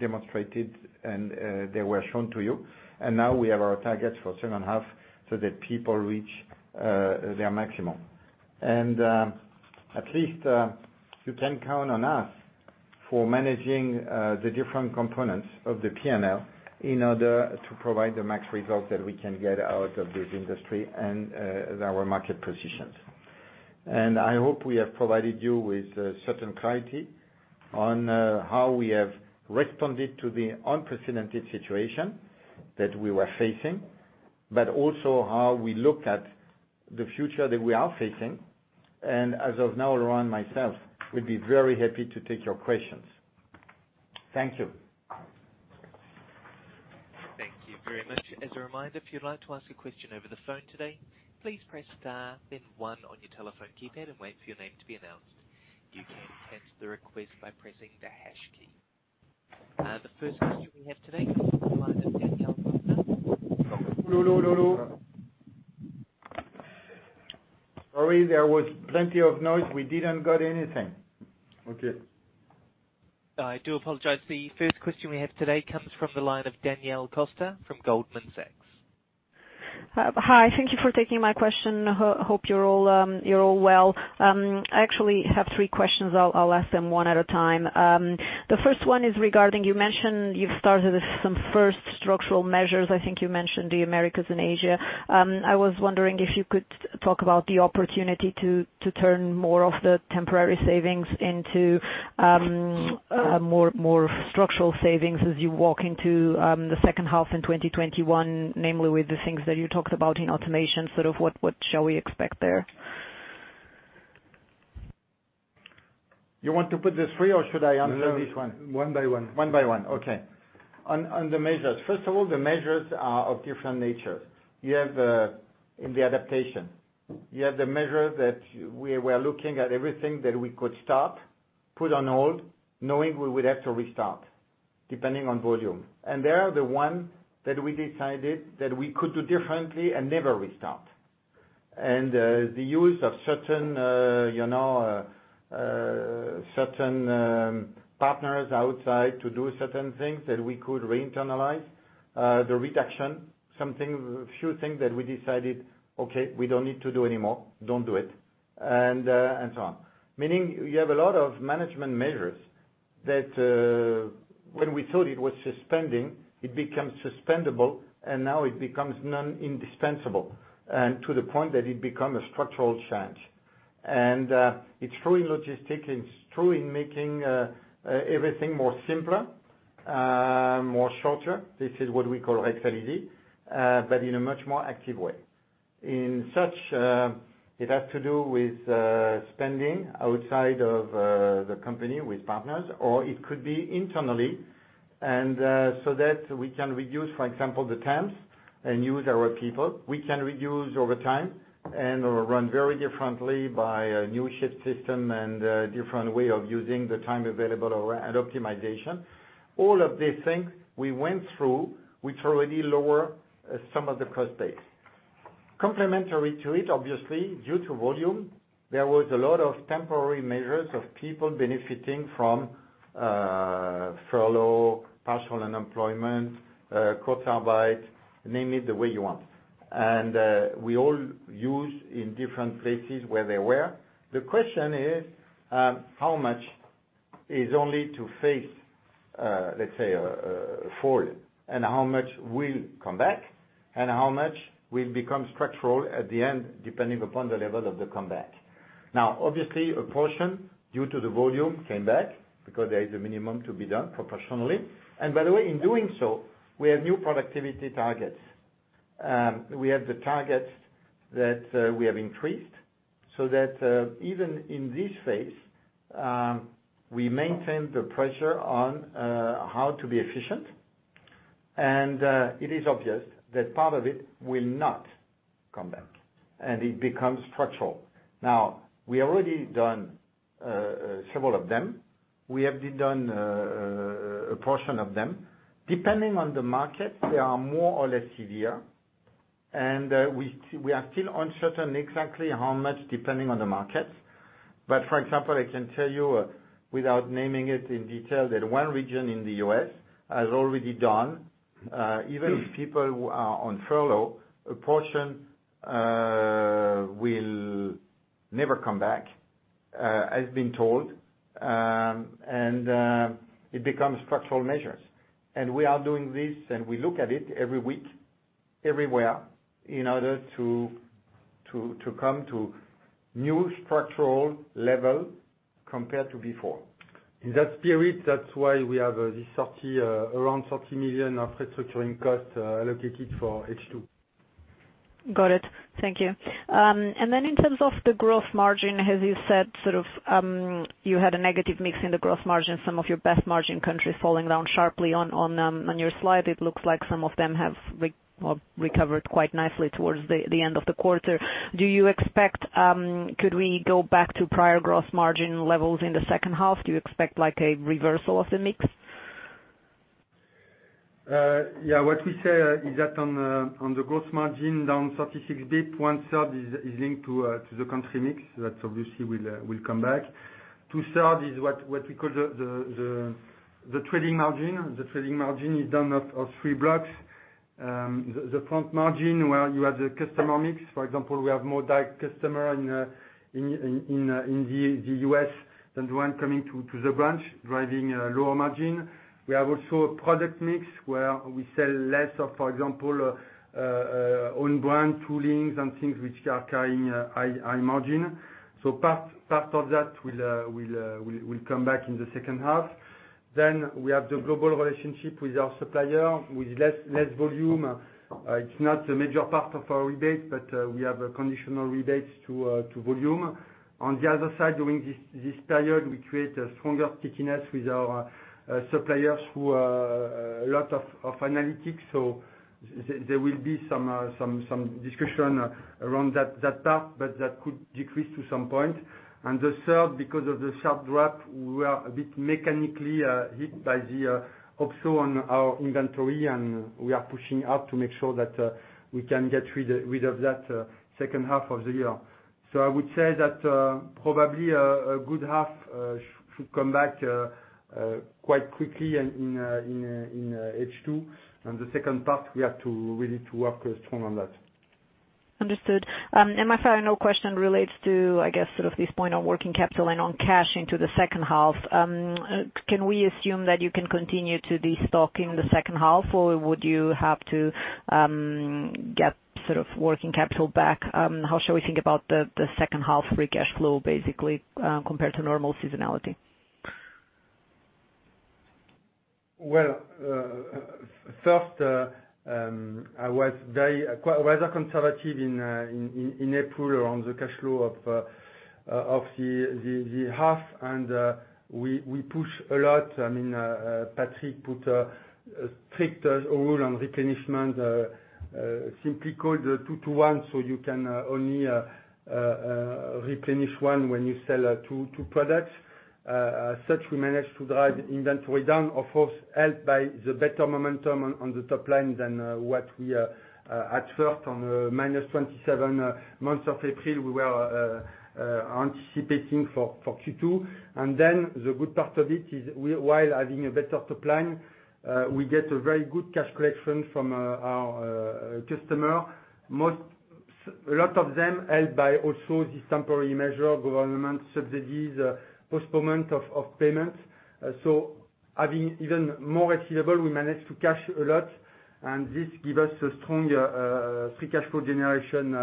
Speaker 2: demonstrated, and they were shown to you. Now we have our targets for second half, so that people reach their maximum. At least you can count on us for managing the different components of the P&L in order to provide the max result that we can get out of this industry and our market positions. I hope we have provided you with certainty on how we have responded to the unprecedented situation that we were facing, but also how we look at the future that we are facing. As of now, Laurent and myself will be very happy to take your questions. Thank you.
Speaker 1: Thank you very much. As a reminder, if you'd like to ask a question over the phone today, please press star then one on your telephone keypad and wait for your name to be announced. You can cancel the request by pressing the hash key. The first question we have today comes from the line of Daniela Costa.
Speaker 2: Sorry, there was plenty of noise. We didn't get anything.
Speaker 1: Okay. I do apologize. The first question we have today comes from the line of Daniela Costa from Goldman Sachs.
Speaker 4: Hi. Thank you for taking my question. Hope you're all well. I actually have three questions. I'll ask them one at a time. The first one is regarding, you mentioned you've started some first structural measures. I think you mentioned the Americas and Asia. I was wondering if you could talk about the opportunity to turn more of the temporary savings into more structural savings as you walk into the second half in 2021, namely with the things that you talked about in automation, sort of what shall we expect there?
Speaker 2: You want to put the three or should I answer this one?
Speaker 1: One by one.
Speaker 2: One by one. Okay. On the measures. First of all, the measures are of different nature. You have in the adaptation. You have the measure that we are looking at everything that we could Put on hold, knowing we would have to restart depending on volume. They are the ones that we decided that we could do differently and never restart. The use of certain partners outside to do certain things that we could re-internalize, the reduction, few things that we decided, okay, we don't need to do anymore. Don't do it, and so on. Meaning, you have a lot of management measures that when we thought it was suspending, it becomes suspendable, and now it becomes non-indispensable, and to the point that it become a structural change. It's true in logistic, it's true in making everything more simpler, more shorter. This is what we call Rexel Easy in a much more active way. In such, it has to do with spending outside of the company with partners, or it could be internally. So that we can reduce, for example, the temps and use our people. We can reduce overtime and run very differently by a new shift system and a different way of using the time available and optimization. All of these things we went through, which already lower some of the cost base. Complementary to it, obviously, due to volume, there was a lot of temporary measures of people benefiting from furlough, partial unemployment, Kurzarbeit, name it the way you want. We all use in different places where they were. The question is, how much is only to face, let's say a fall, and how much will come back, and how much will become structural at the end, depending upon the level of the comeback. Obviously a portion due to the volume came back because there is a minimum to be done professionally. By the way, in doing so, we have new productivity targets. We have the targets that we have increased so that, even in this phase, we maintain the pressure on how to be efficient. It is obvious that part of it will not come back and it becomes structural. We already done several of them. We have done a portion of them. Depending on the market, they are more or less severe. We are still uncertain exactly how much depending on the market. For example, I can tell you without naming it in detail, that one region in the U.S. has already done, even if people are on furlough, a portion will never come back, as been told. It becomes structural measures. We are doing this, and we look at it every week, everywhere in order to come to new structural level compared to before. In that period, that's why we have around 30 million of restructuring costs allocated for H2.
Speaker 4: Got it. Thank you. In terms of the gross margin, as you said, you had a negative mix in the gross margin, some of your best margin countries falling down sharply on your slide. It looks like some of them have recovered quite nicely towards the end of the quarter. Could we go back to prior gross margin levels in the second half? Do you expect like a reversal of the mix?
Speaker 3: What we say is that on the gross margin down 36 basis points, one third is linked to the country mix. That obviously will come back. Two third is what we call the trading margin. The trading margin is done of three blocks. The front margin where you have the customer mix, for example, we have more DIY customer in the U.S. than the one coming to the branch, driving a lower margin. We have also a product mix where we sell less of, for example, own brand toolings and things which are carrying high margin. Part of that will come back in the second half. We have the global relationship with our supplier with less volume. It's not a major part of our rebate, but we have a conditional rebates to volume. On the other side, during this period, we create a stronger stickiness with our suppliers who are a lot of analytics. There will be some discussion around that part, but that could decrease to some point. The third, because of the sharp drop, we are a bit mechanically hit by the upswell on our inventory, and we are pushing up to make sure that we can get rid of that second half of the year. I would say that, probably a good half should come back quite quickly and in H2. The second part, we have to really to work strong on that.
Speaker 4: Understood. My final question relates to, I guess, sort of this point on working capital and on cash into the second half. Can we assume that you can continue to destock in the second half, or would you have to get sort of working capital back? How should we think about the second half free cash flow, basically, compared to normal seasonality?
Speaker 3: First, I was rather conservative in April around the cash flow of the half. We push a lot. Patrick put a strict rule on replenishment, simply called two to one. You can only replenish one when you sell two products. As such, we managed to drive inventory down, of course, helped by the better momentum on the top line than what we had first on -27% in the month of April, we were anticipating for Q2. Then the good part of it is while having a better top line, we get a very good cash collection from our customer. A lot of them helped by also this temporary measure of government subsidies, postponement of payments. Having even more receivable, we managed to cash a lot. This give us a strong free cash flow generation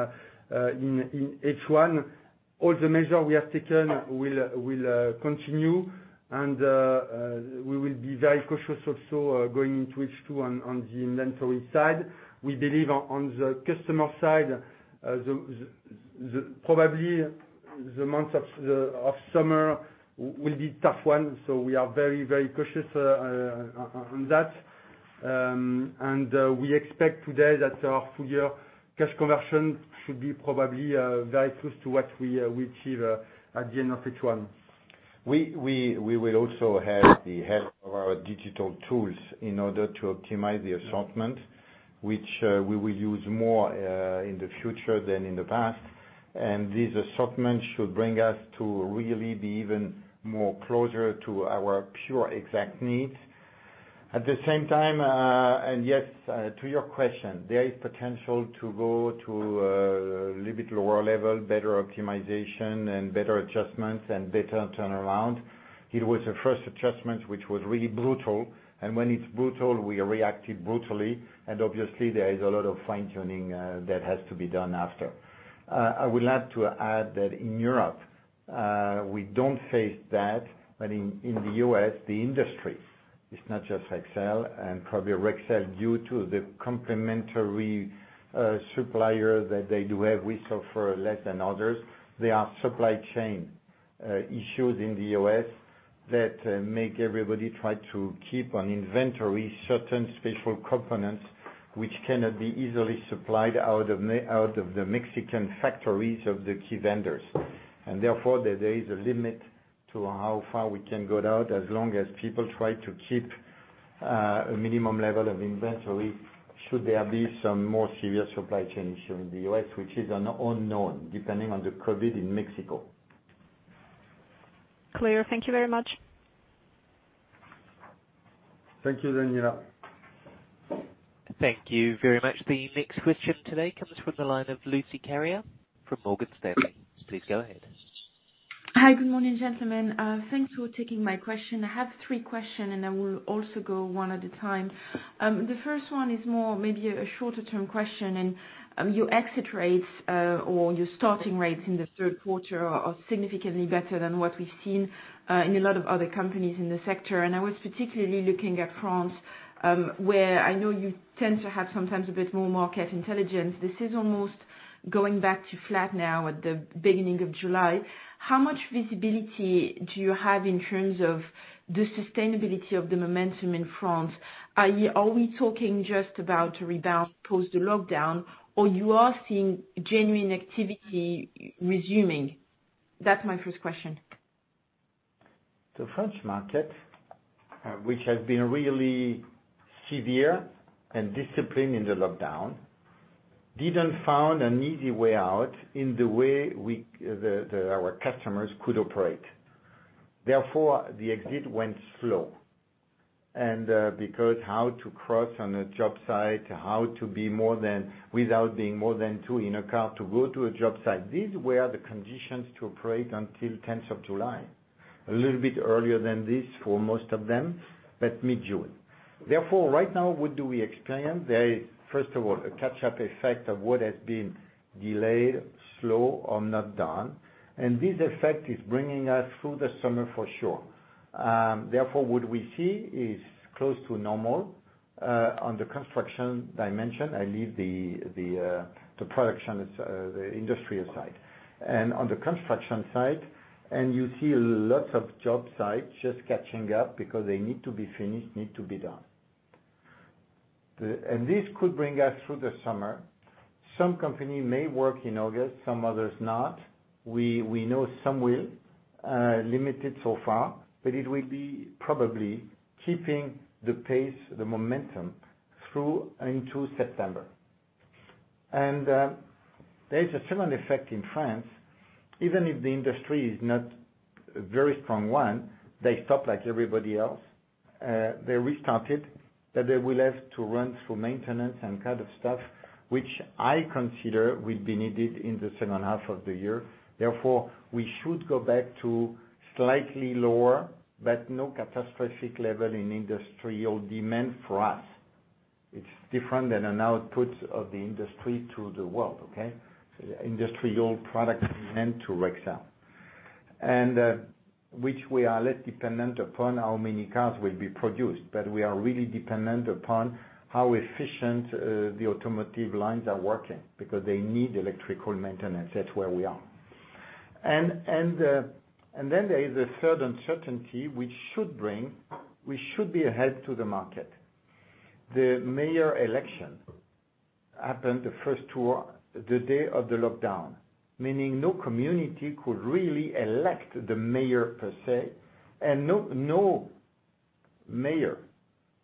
Speaker 3: in H1. All the measures we have taken will continue, and we will be very cautious also going into H2 on the inventory side. We believe on the customer side, probably the months of summer will be a tough one, so we are very, very cautious on that. We expect today that our full-year cash conversion should be probably very close to what we achieve at the end of H1.
Speaker 2: We will also have the help of our digital tools in order to optimize the assortment, which we will use more in the future than in the past. This assortment should bring us to really be even more closer to our pure exact needs. At the same time, yes, to your question, there is potential to go to a little bit lower level, better optimization and better adjustments and better turnaround. It was a first adjustment, which was really brutal. When it's brutal, we reacted brutally, and obviously, there is a lot of fine-tuning that has to be done after. I would like to add that in Europe, we don't face that, but in the U.S., the industry, it's not just Rexel and probably Rexel due to the complementary supplier that they do have, we suffer less than others. There are supply chain issues in the U.S. that make everybody try to keep on inventory certain special components which cannot be easily supplied out of the Mexican factories of the key vendors. Therefore, there is a limit to how far we can go out as long as people try to keep a minimum level of inventory should there be some more serious supply chain issue in the U.S., which is an unknown depending on the COVID in Mexico.
Speaker 4: Clear. Thank you very much.
Speaker 3: Thank you, Daniela.
Speaker 1: Thank you very much. The next question today comes from the line of Lucie Carrier from Morgan Stanley. Please go ahead.
Speaker 5: Hi. Good morning, gentlemen. Thanks for taking my question. I have three questions. I will also go one at a time. The first one is more maybe a shorter-term question. Your exit rates or your starting rates in the third quarter are significantly better than what we've seen in a lot of other companies in the sector. I was particularly looking at France, where I know you tend to have sometimes a bit more market intelligence. This is almost going back to flat now at the beginning of July. How much visibility do you have in terms of the sustainability of the momentum in France? Are we talking just about a rebound post the lockdown, or you are seeing genuine activity resuming? That's my first question.
Speaker 2: The French market, which has been really severe and disciplined in the lockdown, didn't find an easy way out in the way our customers could operate. The exit went slow. Because how to cross on a job site, how to be without being more than two in a car to go to a job site. These were the conditions to operate until 10th of July. A little bit earlier than this for most of them, but mid-June. Right now, what do we experience? There is, first of all, a catch-up effect of what has been delayed, slow, or not done, and this effect is bringing us through the summer for sure. What we see is close to normal on the construction dimension. I leave the production, the industrial side. On the construction side, and you see lots of job sites just catching up because they need to be finished, need to be done. This could bring us through the summer. Some company may work in August, some others not. We know some will, limited so far, but it will be probably keeping the pace, the momentum through into September. There is a second effect in France. Even if the industry is not a very strong one, they stop like everybody else. They restarted, that they will have to run through maintenance and kind of stuff, which I consider will be needed in the second half of the year. Therefore, we should go back to slightly lower but no catastrophic level in industrial demand for us. It's different than an output of the industry to the world. Industrial product demand to Rexel. Which we are less dependent upon how many cars will be produced, but we are really dependent upon how efficient the automotive lines are working, because they need electrical maintenance. That's where we are. There is a third uncertainty, which should be a help to the market. The mayor election happened the day of the lockdown, meaning no community could really elect the mayor, per se, and no mayor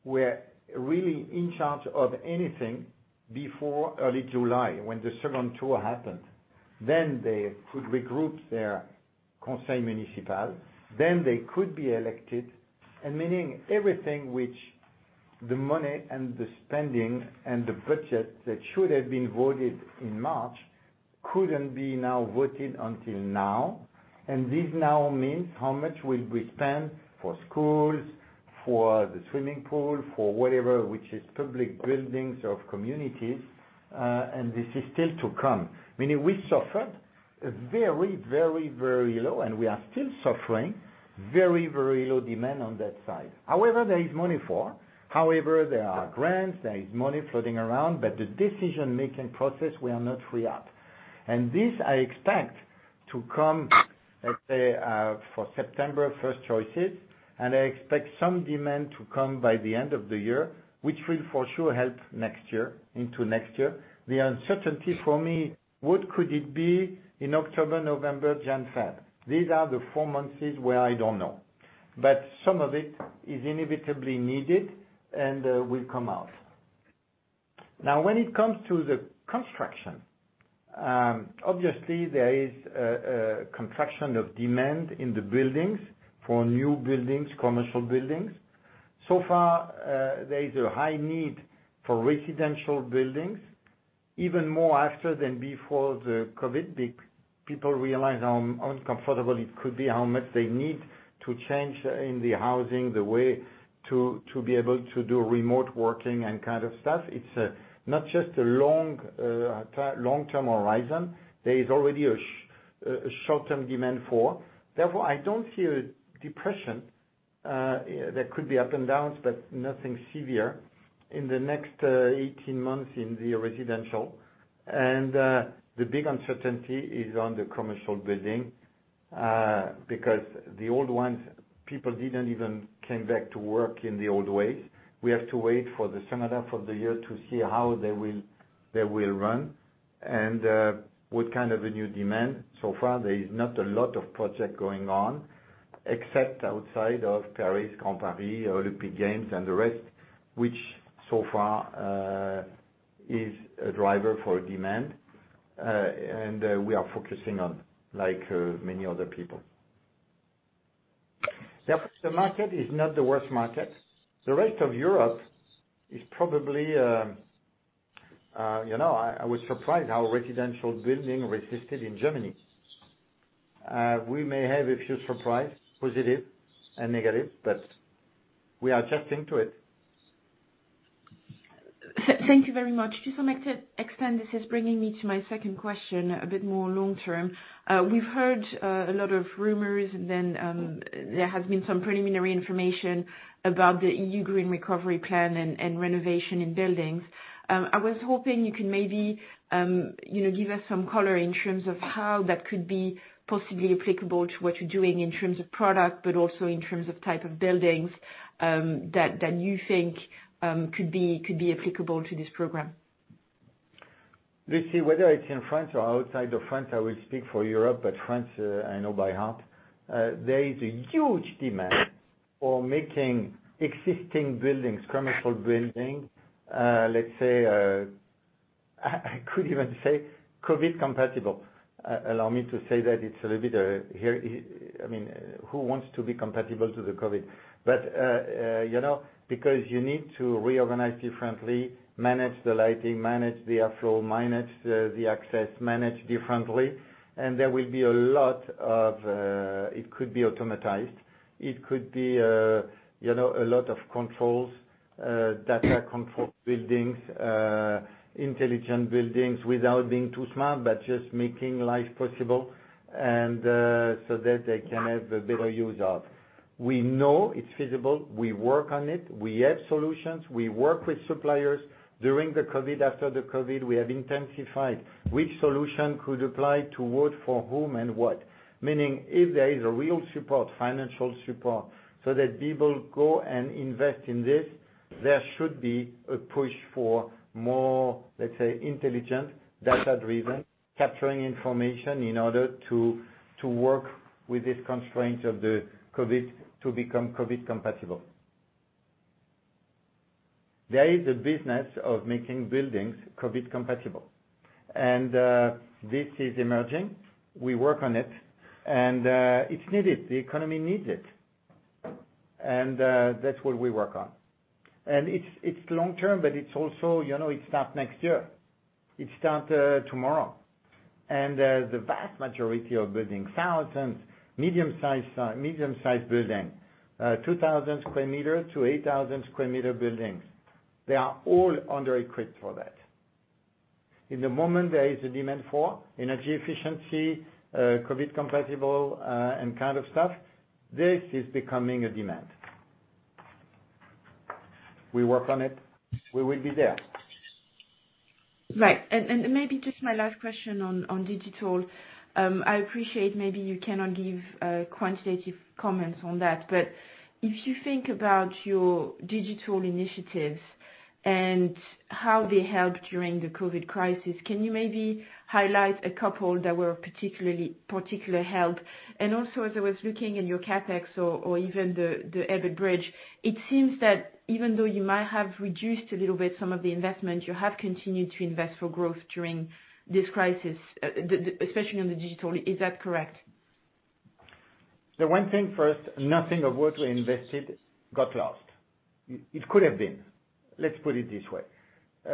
Speaker 2: were really in charge of anything before early July when the second tour happened. They could regroup their conseil municipal, then they could be elected, and meaning everything which the money and the spending and the budget that should have been voted in March couldn't be now voted until now. This now means how much will we spend for schools, for the swimming pool, for whatever, which is public buildings of communities. This is still to come. Meaning we suffered very low, and we are still suffering very low demand on that side. There is money for. However, there are grants, there is money floating around. The decision-making process, we are not free at. This I expect to come, let's say, for September 1st choices, and I expect some demand to come by the end of the year, which will for sure help into next year. The uncertainty for me, what could it be in October, November, Jan, Feb? These are the four months where I don't know. Some of it is inevitably needed and will come out. When it comes to the construction, obviously there is a contraction of demand in the buildings for new buildings, commercial buildings. There is a high need for residential buildings, even more after than before the COVID, people realize how uncomfortable it could be, how much they need to change in the housing, the way to be able to do remote working and kind of stuff. It's not just a long-term horizon. There is already a short-term demand for. I don't see a depression. There could be up and downs, but nothing severe in the next 18 months in the residential. The big uncertainty is on the commercial building, because the old ones, people didn't even came back to work in the old ways. We have to wait for the second half of the year to see how they will run and what kind of a new demand. So far, there is not a lot of project going on, except outside of Paris, Grand Paris, Olympic Games, and the rest, which so far is a driver for demand, and we are focusing on like many other people. The market is not the worst market. The rest of Europe is probably I was surprised how residential building resisted in Germany. We may have a few surprise, positive and negative, but we are adjusting to it.
Speaker 5: Thank you very much. To some extent, this is bringing me to my second question a bit more long-term. We've heard a lot of rumors, and then there has been some preliminary information about the EU Green Recovery Plan and renovation in buildings. I was hoping you can maybe give us some color in terms of how that could be possibly applicable to what you're doing in terms of product, but also in terms of type of buildings that you think could be applicable to this program.
Speaker 2: Let's see whether it's in France or outside of France, I will speak for Europe, but France I know by heart. There is a huge demand for making existing buildings, commercial buildings, let's say, I could even say COVID compatible. Allow me to say that it's a little bit, who wants to be compatible to the COVID? Because you need to reorganize differently, manage the lighting, manage the airflow, manage the access, manage differently. There will be a lot of, it could be automatized, it could be a lot of controls, data control buildings, intelligent buildings without being too smart, but just making life possible, and so that they can have a better use of. We know it's feasible. We work on it. We have solutions. We work with suppliers during the COVID, after the COVID, we have intensified which solution could apply toward, for whom and what. Meaning if there is a real support, financial support, so that people go and invest in this, there should be a push for more, let's say, intelligent, data-driven, capturing information in order to work with these constraints of the COVID to become COVID compatible. There is a business of making buildings COVID compatible. This is emerging. We work on it, and it's needed. The economy needs it. That's what we work on. It's long-term, but it's also, it start next year. It start tomorrow. The vast majority of buildings, thousands, medium-sized building, 2,000 sq m to 8,000 sq m buildings, they are all underequipped for that. In the moment there is a demand for energy efficiency, COVID compatible and kind of stuff, this is becoming a demand. We work on it. We will be there.
Speaker 5: Right. Maybe just my last question on digital. I appreciate maybe you cannot give quantitative comments on that, but if you think about your digital initiatives and how they helped during the COVID crisis, can you maybe highlight a couple that were of particular help? Also, as I was looking in your CapEx or even the EBIT bridge, it seems that even though you might have reduced a little bit some of the investment, you have continued to invest for growth during this crisis, especially on the digital. Is that correct?
Speaker 2: The one thing first, nothing of what we invested got lost. It could have been. Let's put it this way,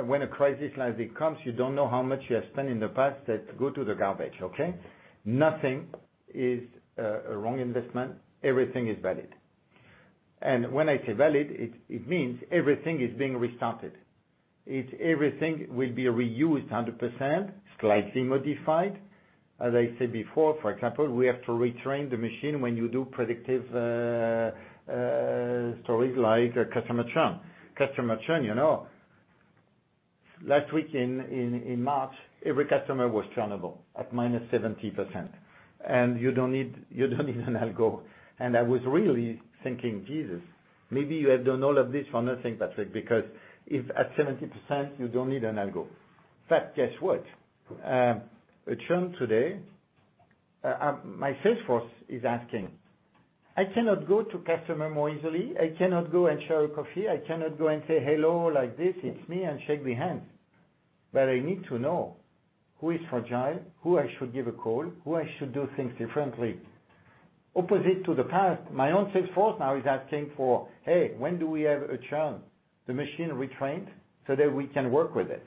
Speaker 2: when a crisis like this comes, you don't know how much you have spent in the past that go to the garbage, okay? Nothing is a wrong investment. Everything is valid. When I say valid, it means everything is being restarted. Everything will be reused 100%, slightly modified. As I said before, for example, we have to retrain the machine when you do predictive stories like customer churn. Customer churn, last week in March, every customer was churnable at -70%. You don't need an algo. I was really thinking, Jesus, maybe you have done all of this for nothing, Patrick, because if at 70%, you don't need an algo. Guess what? A churn today, my sales force is asking, I cannot go to customer more easily. I cannot go and share a coffee. I cannot go and say hello like this, it's me, and shake the hand. I need to know who is fragile, who I should give a call, who I should do things differently. Opposite to the past, my own sales force now is asking for, "Hey, when do we have a churn?" The machine retrained so that we can work with it.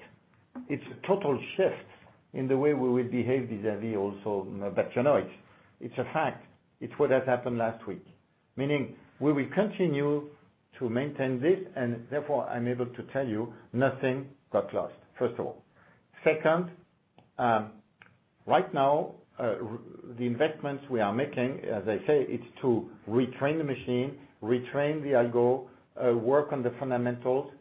Speaker 2: It's a total shift in the way we will behave vis-à-vis also, you know it. It's a fact. It's what has happened last week. Meaning we will continue to maintain this, and therefore, I'm able to tell you nothing got lost, first of all. Second, right now, the investments we are making, as I say, it's to retrain the machine, retrain the algo, work on the fundamentals,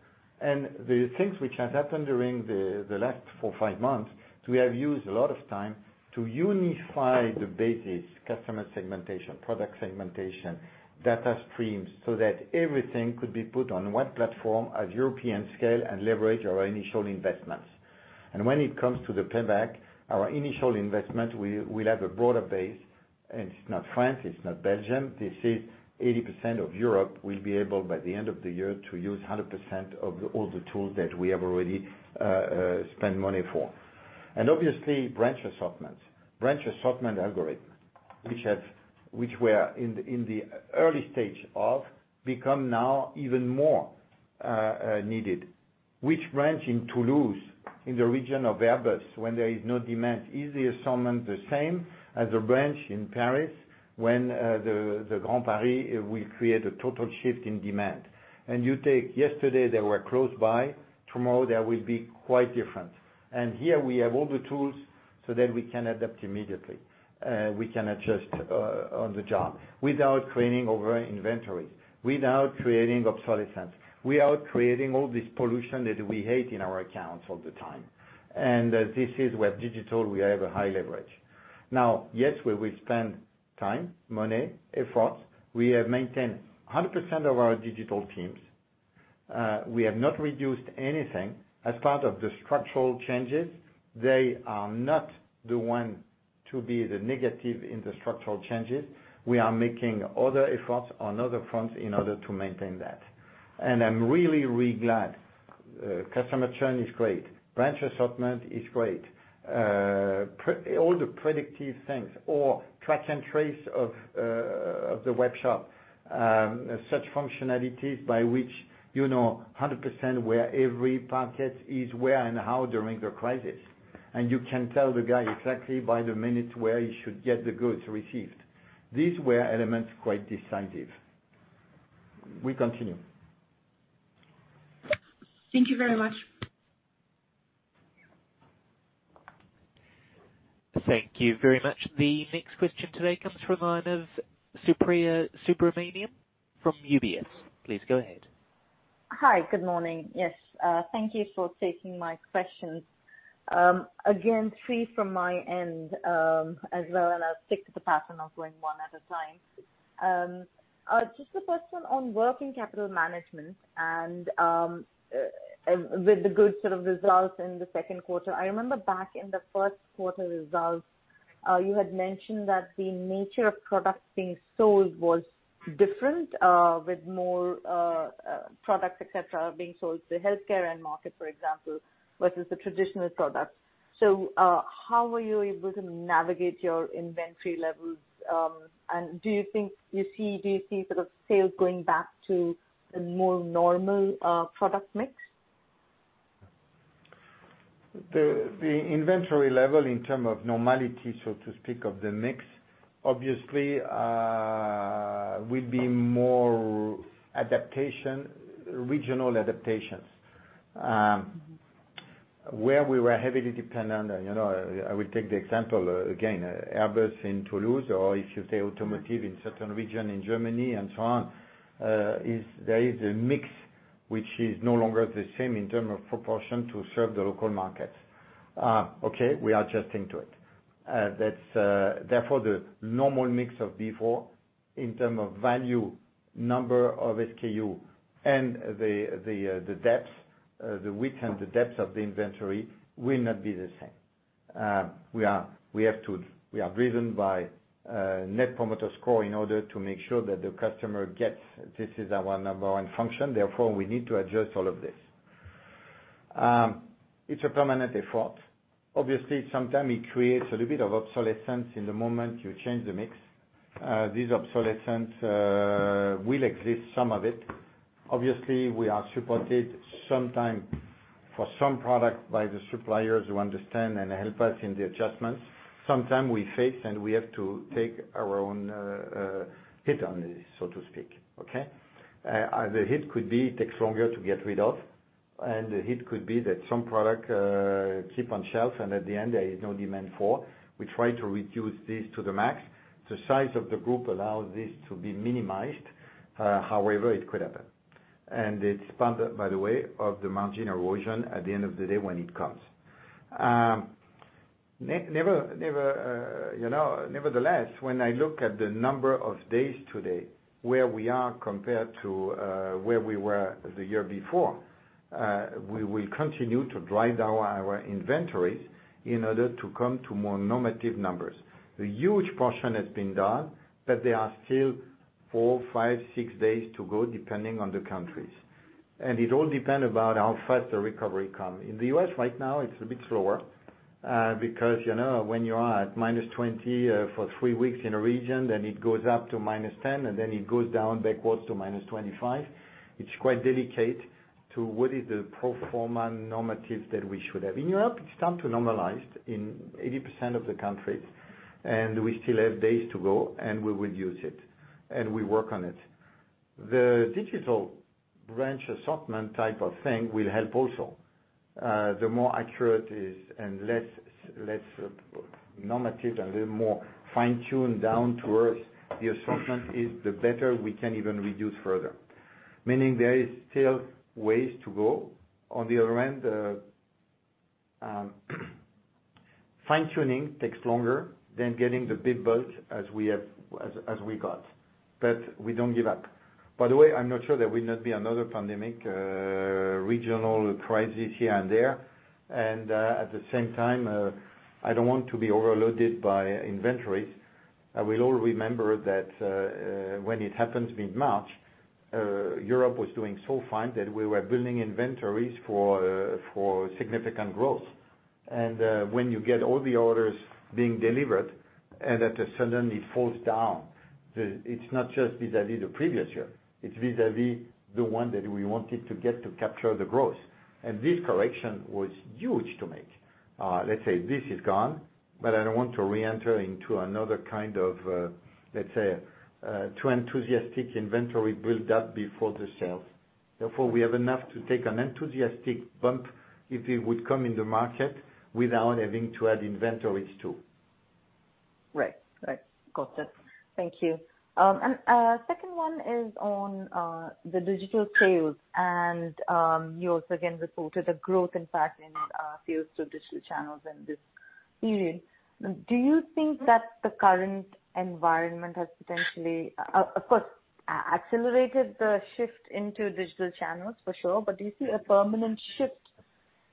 Speaker 2: and the things which has happened during the last four, five months, we have used a lot of time to unify the basis, customer segmentation, product segmentation, data streams, so that everything could be put on one platform at European scale and leverage our initial investments. When it comes to the payback, our initial investment will have a broader base. It's not France, it's not Belgium. This is 80% of Europe will be able, by the end of the year, to use 100% of all the tools that we have already spent money for. Obviously, branch assortment, branch assortment algorithm, which were in the early stage of become now even more needed. Which branch in Toulouse, in the region of Airbus, when there is no demand, is the assortment the same as a branch in Paris when the Grand Paris will create a total shift in demand? You take yesterday, they were close by, tomorrow, they will be quite different. Here we have all the tools so that we can adapt immediately. We can adjust on the job without creating over-inventory, without creating obsolescence, without creating all this pollution that we hate in our accounts all the time. This is where digital, we have a high leverage. Now, yes, we will spend time, money, effort. We have maintained 100% of our digital teams. We have not reduced anything as part of the structural changes. They are not the one to be the negative in the structural changes. We are making other efforts on other fronts in order to maintain that. I'm really glad. Customer churn is great. Branch assortment is great. All the predictive things or track and trace of the workshop, such functionalities by which you know 100% where every packet is where and how during the crisis. You can tell the guy exactly by the minute where he should get the goods received. These were elements quite decisive. We continue.
Speaker 5: Thank you very much.
Speaker 1: Thank you very much. The next question today comes from line of Supriya Subramanian from UBS. Please go ahead.
Speaker 6: Hi. Good morning. Yes. Thank you for taking my questions. Again, three from my end, as well, and I'll stick to the pattern of going one at a time. Just a question on working capital management and with the good sort of results in the second quarter. I remember back in the first quarter results, you had mentioned that the nature of products being sold was different, with more products, et cetera, being sold to healthcare end market, for example, versus the traditional product. How were you able to navigate your inventory levels? Do you think you see sort of sales going back to the more normal product mix?
Speaker 2: The inventory level in term of normality, so to speak, of the mix. We'll be more regional adaptations. Where we were heavily dependent, I will take the example again, Airbus in Toulouse or if you say automotive in certain region in Germany and so on, there is a mix which is no longer the same in term of proportion to serve the local markets. We are adjusting to it. The normal mix of before in term of value, number of SKU and the width and the depth of the inventory will not be the same. We are driven by Net Promoter Score in order to make sure that the customer gets this. This is our number one function. We need to adjust all of this. It's a permanent effort. Sometime it creates a little bit of obsolescence in the moment you change the mix. This obsolescence will exist, some of it. Obviously, we are supported sometimes for some product by the suppliers who understand and help us in the adjustments. Sometimes we face, and we have to take our own hit on this, so to speak. Okay? The hit could be it takes longer to get rid of, and the hit could be that some product keep on shelf and at the end, there is no demand for. We try to reduce this to the max. The size of the group allows this to be minimized. It could happen. It's part, by the way, of the margin erosion at the end of the day, when it comes. Nevertheless, when I look at the number of days today, where we are compared to where we were the year before, we will continue to drive down our inventories in order to come to more normative numbers. The huge portion has been done. There are still four, five, six days to go, depending on the countries. It all depend about how fast the recovery come. In the U.S. right now, it's a bit slower, because when you are at -20 for three weeks in a region, then it goes up to -10, and then it goes down backwards to -25, it's quite delicate to what is the pro forma normative that we should have. In Europe, it's time to normalized in 80% of the countries. We still have days to go, and we will use it, and we work on it. The digital branch assortment type of thing will help also. The more accurate it is and less normative and the more fine-tuned down towards the assortment is, the better we can even reduce further. Meaning there is still ways to go. On the other end, fine-tuning takes longer than getting the big bulk as we got. We don't give up. By the way, I'm not sure there will not be another pandemic, regional crisis here and there. At the same time, I don't want to be overloaded by inventories. We all remember that when it happened mid-March, Europe was doing so fine that we were building inventories for significant growth. When you get all the orders being delivered, and that suddenly falls down, it's not just vis-à-vis the previous year, it's vis-à-vis the one that we wanted to get to capture the growth. This correction was huge to make. Let's say this is gone, but I don't want to reenter into another kind of, let's say, too enthusiastic inventory build up before the sale. We have enough to take an enthusiastic bump if it would come in the market without having to add inventories, too.
Speaker 6: Right. Got it. Thank you. Second one is on the digital sales, and you also again reported a growth, in fact, in sales through digital channels in this period. Do you think that the current environment has potentially, of course, accelerated the shift into digital channels for sure, but do you see a permanent shift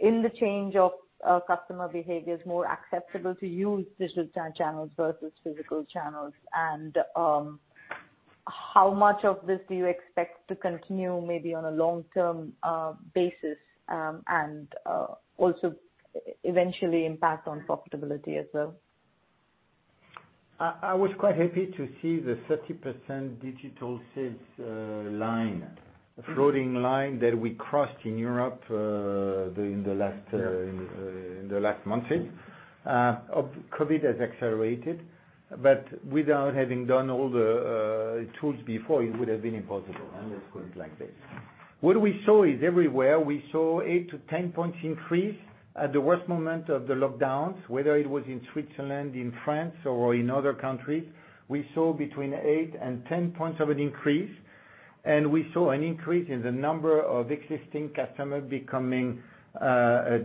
Speaker 6: in the change of customer behaviors more acceptable to use digital channels versus physical channels? How much of this do you expect to continue maybe on a long-term basis, and also eventually impact on profitability as well?
Speaker 2: I was quite happy to see the 30% digital sales line, floating line that we crossed in Europe, in the last months. COVID has accelerated, without having done all the tools before, it would have been impossible. Let's put it like this. What we saw is everywhere, we saw eight-10 points increase at the worst moment of the lockdowns, whether it was in Switzerland, in France, or in other countries. We saw between eight and 10 points of an increase, and we saw an increase in the number of existing customers becoming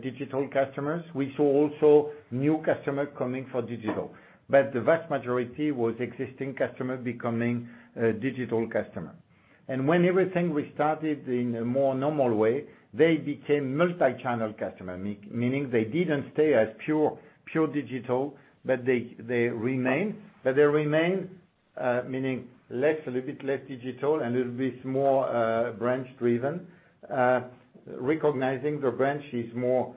Speaker 2: digital customers. We saw also new customers coming for digital. The vast majority was existing customers becoming digital customers. When everything restarted in a more normal way, they became multi-channel customer, meaning they didn't stay as pure digital, but they remained, meaning a little bit less digital and a little bit more branch-driven, recognizing the branch is more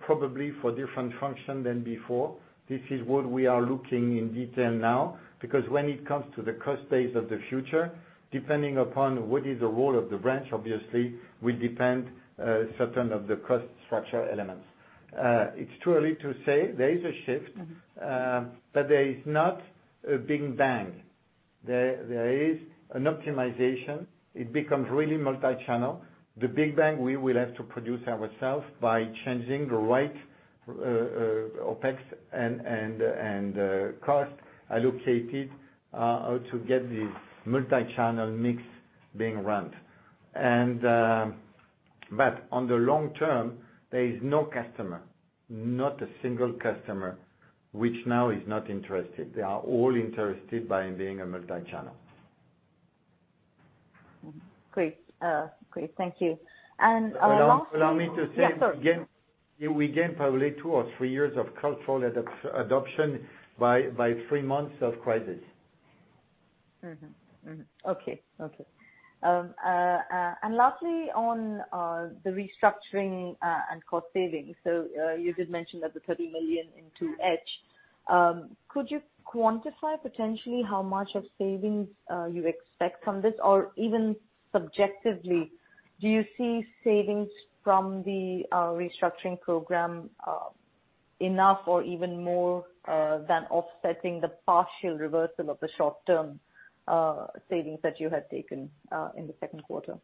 Speaker 2: probably for different function than before. This is what we are looking in detail now, because when it comes to the cost base of the future, depending upon what is the role of the branch, obviously, will depend certain of the cost structure elements. It's too early to say. There is a shift, but there is not a big bang. There is an optimization. It becomes really multi-channel. The big bang, we will have to produce ourselves by changing the right OpEx and cost allocated to get this multi-channel mix being run. On the long term, there is no customer, not a single customer, which now is not interested. They are all interested by being a multi-channel.
Speaker 6: Great. Thank you.
Speaker 2: Allow me to say-
Speaker 6: Yeah, sorry.
Speaker 2: We gained probably two or three years of cultural adoption by three months of crisis.
Speaker 6: Mm-hmm. Okay. Lastly, on the restructuring and cost savings. You did mention that the 30 million in H2. Could you quantify potentially how much of savings you expect from this? Or even subjectively, do you see savings from the restructuring program enough or even more than offsetting the partial reversal of the short-term savings that you had taken in the second quarter?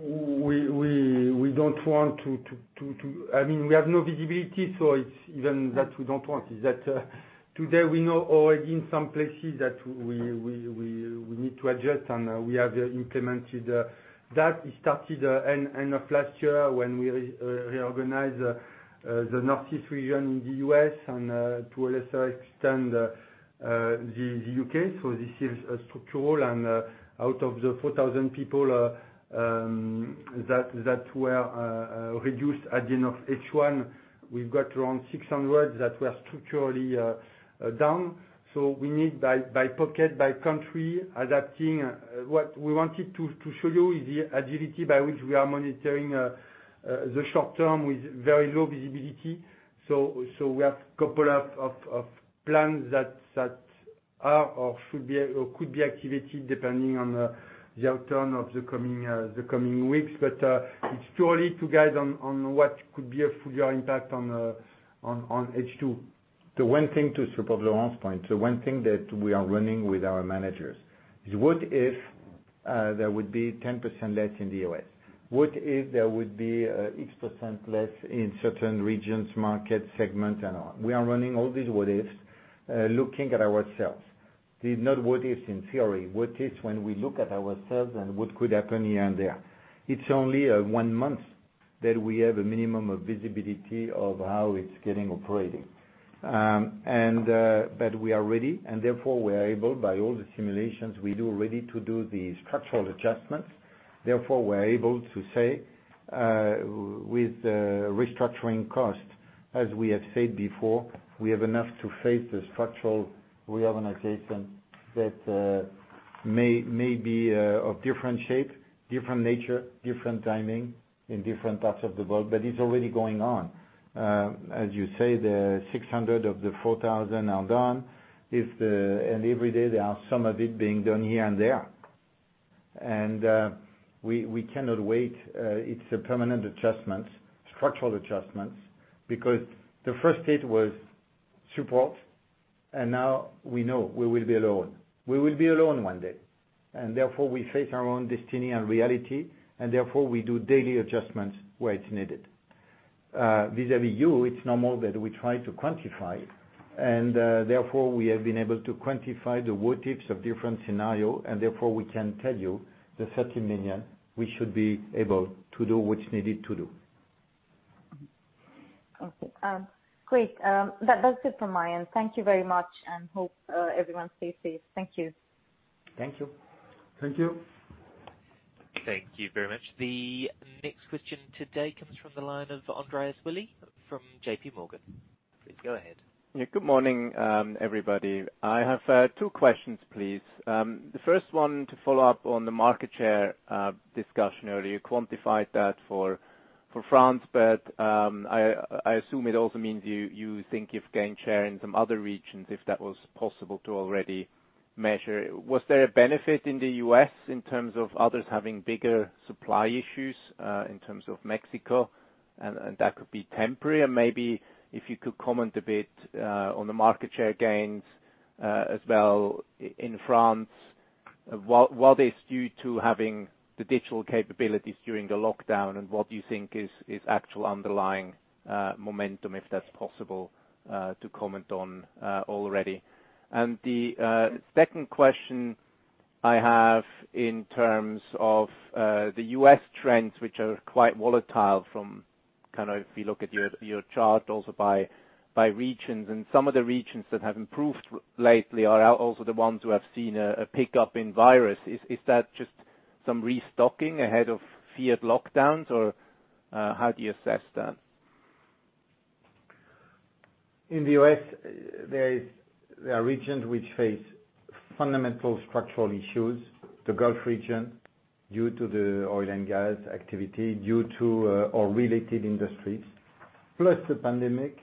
Speaker 3: We have no visibility, so it's even that we don't want. Is that today we know already in some places that we need to adjust, and we have implemented that. It started end of last year when we reorganized the Northeast region in the U.S., and to a lesser extent, the U.K. This is structural and out of the 4,000 people that were reduced at the end of H1, we've got around 600 that were structurally down. We need by pocket, by country, adapting. What we wanted to show you is the agility by which we are monitoring the short term with very low visibility. We have couple of plans that are or could be activated depending on the outcome of the coming weeks. It's too early to guide on what could be a full-year impact on H2.
Speaker 2: The one thing to support Laurent's point, the one thing that we are running with our managers is what if there would be 10% less in the U.S.? What if there would be X% less in certain regions, market segment and all? We are running all these what-ifs, looking at ourselves. They're not what-ifs in theory, what-ifs when we look at ourselves and what could happen here and there. It's only one month that we have a minimum of visibility of how it's getting operating. We are ready, and therefore we are able, by all the simulations we do, ready to do the structural adjustments. Therefore, we're able to say, with restructuring costs, as we have said before, we have enough to face the structural reorganization that may be of different shape, different nature, different timing in different parts of the world, but it's already going on. As you say, the 600 of the 4,000 are done. Every day there are some of it being done here and there. We cannot wait. It's a permanent adjustment, structural adjustments. The first hit was support, and now we know we will be alone. We will be alone one day, and therefore, we face our own destiny and reality, and therefore, we do daily adjustments where it's needed. Vis-à-vis you, it's normal that we try to quantify, and therefore, we have been able to quantify the what-ifs of different scenario, and therefore, we can tell you the 30 million we should be able to do what's needed to do.
Speaker 6: Okay. Great. That's it from my end. Thank you very much, and hope everyone stays safe. Thank you.
Speaker 2: Thank you.
Speaker 3: Thank you.
Speaker 1: Thank you very much. The next question today comes from the line of Andreas Willi from JPMorgan. Please go ahead.
Speaker 7: Yeah. Good morning, everybody. I have two questions, please. The first one, to follow up on the market share discussion earlier. You quantified that for France, but I assume it also means you think you've gained share in some other regions, if that was possible to already measure. Was there a benefit in the U.S. in terms of others having bigger supply issues in terms of Mexico, and that could be temporary? Maybe if you could comment a bit on the market share gains as well in France. What is due to having the digital capabilities during the lockdown and what do you think is actual underlying momentum, if that's possible to comment on already? The second question I have in terms of the U.S. trends, which are quite volatile from if you look at your chart also by regions, and some of the regions that have improved lately are also the ones who have seen a pickup in virus. Is that just some restocking ahead of feared lockdowns, or how do you assess that?
Speaker 2: In the U.S., there are regions which face fundamental structural issues, the Gulf region, due to the oil and gas activity, or related industries. Plus the pandemic,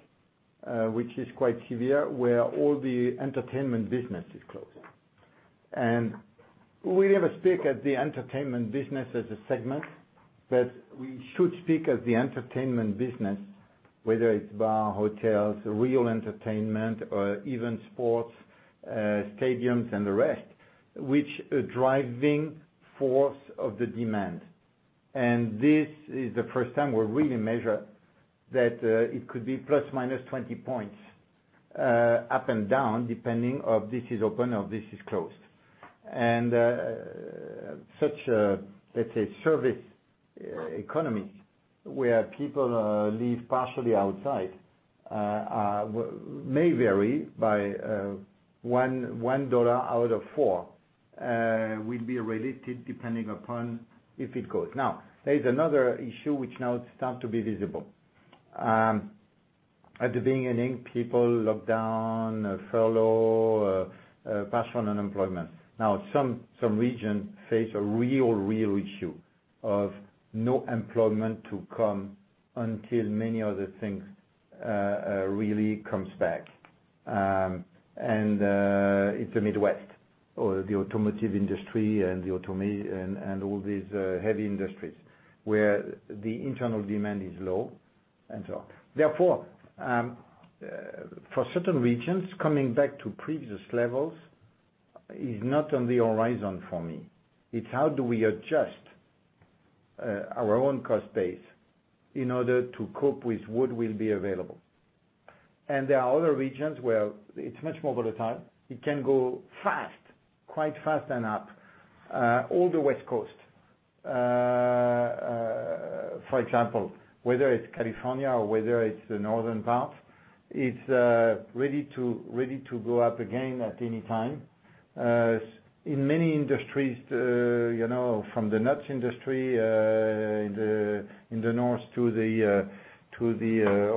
Speaker 2: which is quite severe, where all the entertainment business is closed. We never speak as the entertainment business as a segment, but we should speak as the entertainment business, whether it's bar, hotels, real entertainment, or even sports stadiums and the rest, which are driving force of the demand. This is the first time we really measure that it could be ±20 points up and down depending if this is open or this is closed. Such a, let's say, service economy where people live partially outside may vary by $1 out of four, will be related depending upon if it goes. Now, there is another issue which now starts to be visible. At the beginning, people lockdown, furlough, partial unemployment. Now, some regions face a real issue of no employment to come until many other things really come back. It's the Midwest or the automotive industry and all these heavy industries where the internal demand is low and so on. Therefore, for certain regions, coming back to previous levels is not on the horizon for me. It's how do we adjust our own cost base in order to cope with what will be available? There are other regions where it's much more volatile. It can go fast, quite fast and up. All the West Coast, for example, whether it's California or whether it's the northern parts, it's ready to go up again at any time. In many industries from the nuts industry in the north to the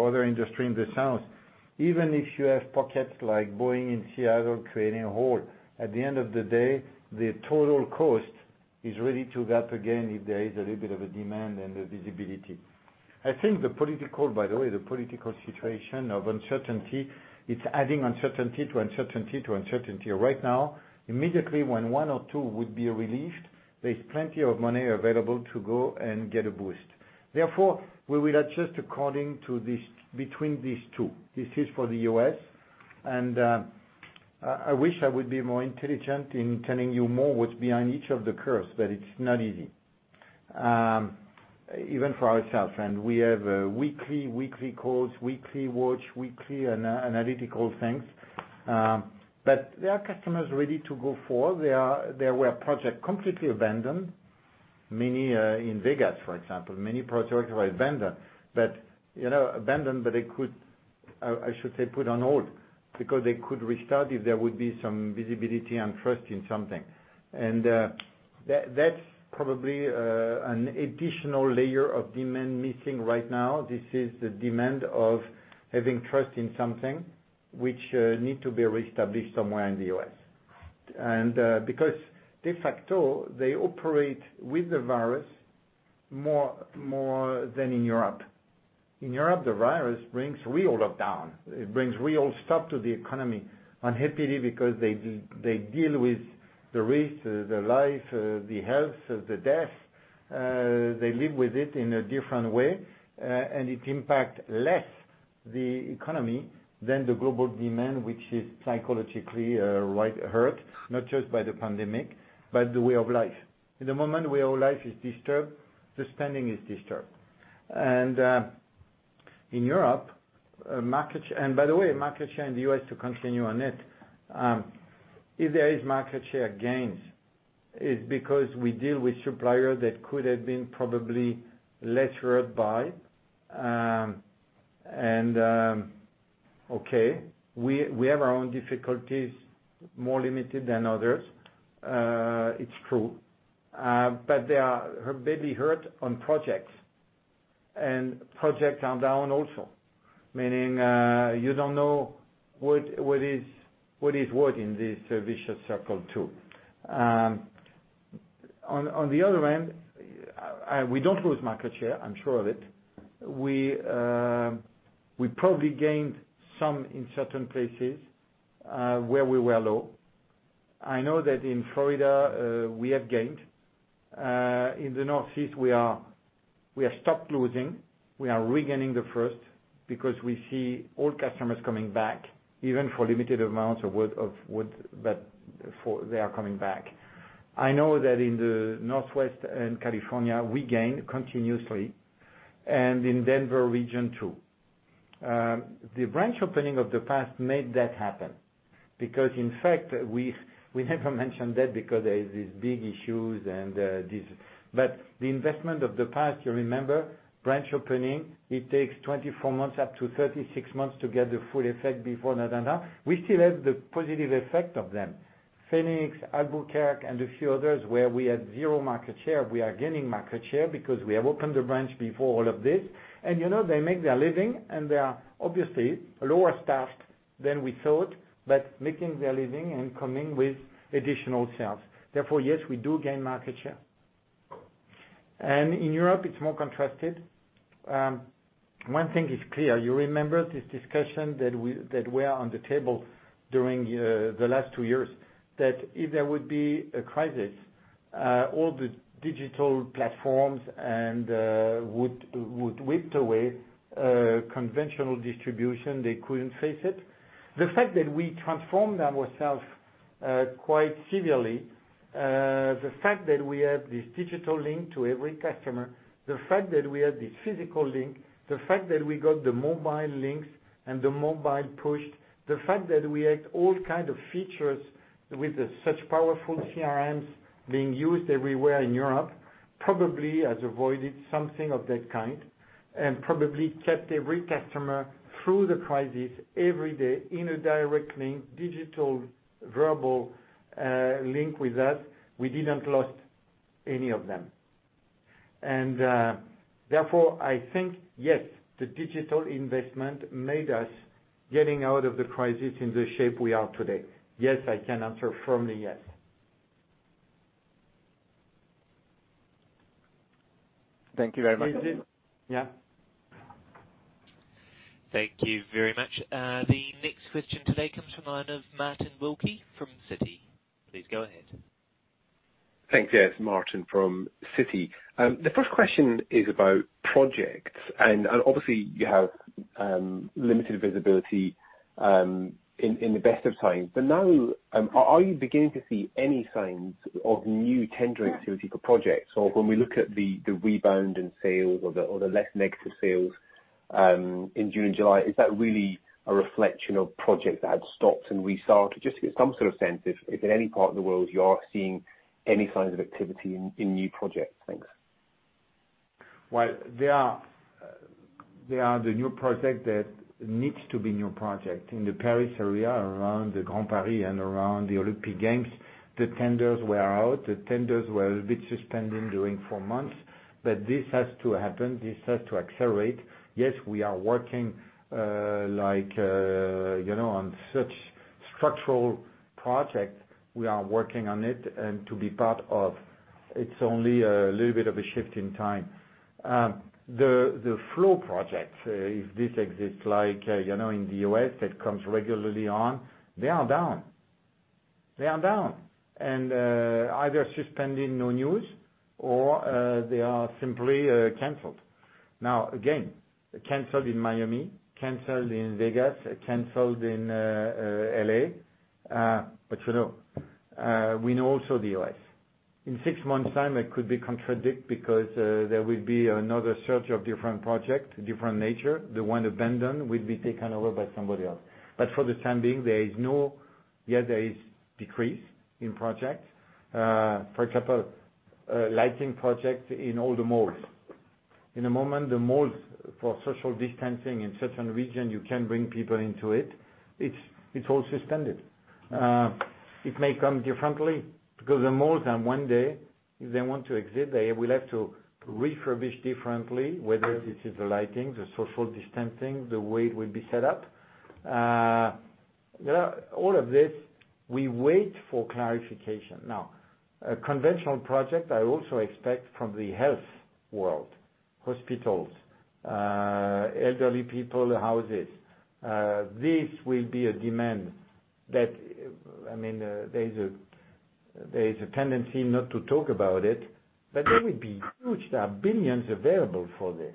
Speaker 2: other industry in the south, even if you have pockets like Boeing and Seattle creating a hole, at the end of the day, the total cost is ready to gap again if there is a little bit of a demand and the visibility. I think, by the way, the political situation of uncertainty, it's adding uncertainty. Right now, immediately when one or two would be relieved, there is plenty of money available to go and get a boost. We will adjust according to between these two. This is for the U.S., and I wish I would be more intelligent in telling you more what is behind each of the curves, but it is not easy, even for ourselves. We have weekly calls, weekly watch, weekly analytical things. There are customers ready to go forward. There were projects completely abandoned, many in Vegas, for example. Many projects were abandoned, they could, I should say, put on hold because they could restart if there would be some visibility and trust in something. That's probably an additional layer of demand missing right now. This is the demand of having trust in something, which needs to be reestablished somewhere in the U.S. Because de facto, they operate with the virus more than in Europe. In Europe, the virus brings real lockdown. It brings real stop to the economy, unhappily, because they deal with the risk, the life, the health, the death. They live with it in a different way, and it impacts less the economy than the global demand, which is psychologically hurt, not just by the pandemic, but the way of life. In the moment where our life is disturbed, the spending is disturbed. In Europe, by the way, market share in the U.S., to continue on it. If there is market share gains, it's because we deal with suppliers that could have been probably less hurt by. Okay, we have our own difficulties, more limited than others. It's true. They are badly hurt on projects, and projects are down also. Meaning, you don't know what is what in this vicious circle, too. On the other end, we don't lose market share, I'm sure of it. We probably gained some in certain places where we were low. I know that in Florida, we have gained. In the Northeast, we have stopped losing. We are regaining the first because we see old customers coming back, even for limited amounts of wood, but they are coming back. I know that in the Northwest and California, we gain continuously, and in Denver region too. The branch opening of the past made that happen. In fact, we never mentioned that. The investment of the past, you remember, branch opening, it takes 24 months up to 36 months to get the full effect before. Therefore, yes, we do gain market share. In Europe, it's more contrasted. One thing is clear, you remember this discussion that were on the table during the last two years, that if there would be a crisis, all the digital platforms would whip away conventional distribution, they couldn't face it. The fact that we transformed ourselves quite severely, the fact that we have this digital link to every customer, the fact that we have this physical link, the fact that we got the mobile links and the mobile push, the fact that we have all kind of features with such powerful CRMs being used everywhere in Europe, probably has avoided something of that kind, and probably kept every customer through the crisis, every day in a direct link, digital, verbal link with us. We didn't lost any of them. Therefore, I think, yes, the digital investment made us getting out of the crisis in the shape we are today. Yes, I can answer firmly yes.
Speaker 7: Thank you very much.
Speaker 2: Yeah.
Speaker 1: Thank you very much. The next question today comes from one of Martin Wilkie from Citi. Please go ahead.
Speaker 8: Thanks. Yes, Martin from Citi. The first question is about projects, and obviously you have limited visibility in the best of times. Now, are you beginning to see any signs of new tendering activity for projects? When we look at the rebound in sales or the less negative sales, in June, July, is that really a reflection of projects that had stopped and restart? Just to get some sort of sense if in any part of the world you are seeing any signs of activity in new projects. Thanks.
Speaker 2: Well, there are the new project that needs to be new project. In the Paris area, around the Grand Paris and around the Olympic Games, the tenders were out. The tenders were a bit suspended during four months. This has to happen. This has to accelerate. Yes, we are working on such structural project, we are working on it and to be part of. It is only a little bit of a shift in time. The flow project, if this exists like in the U.S., that comes regularly on, they are down. They are down. Either suspended, no news, or they are simply canceled. Now, again, canceled in Miami, canceled in Vegas, canceled in L.A. We know also the U.S. In six months time, it could be contradict because there will be another search of different project, different nature. The one abandoned will be taken over by somebody else. For the time being, there is decrease in projects. For example, lighting project in all the malls. In the moment, the malls, for social distancing in certain region, you can't bring people into it. It's all suspended. It may come differently, because the malls, one day, if they want to exit, they will have to refurbish differently, whether this is the lighting, the social distancing, the way it will be set up. All of this, we wait for clarification. A conventional project I also expect from the health world, hospitals, elderly people houses. This will be a demand that, there is a tendency not to talk about it, but there will be huge, there are billions available for this.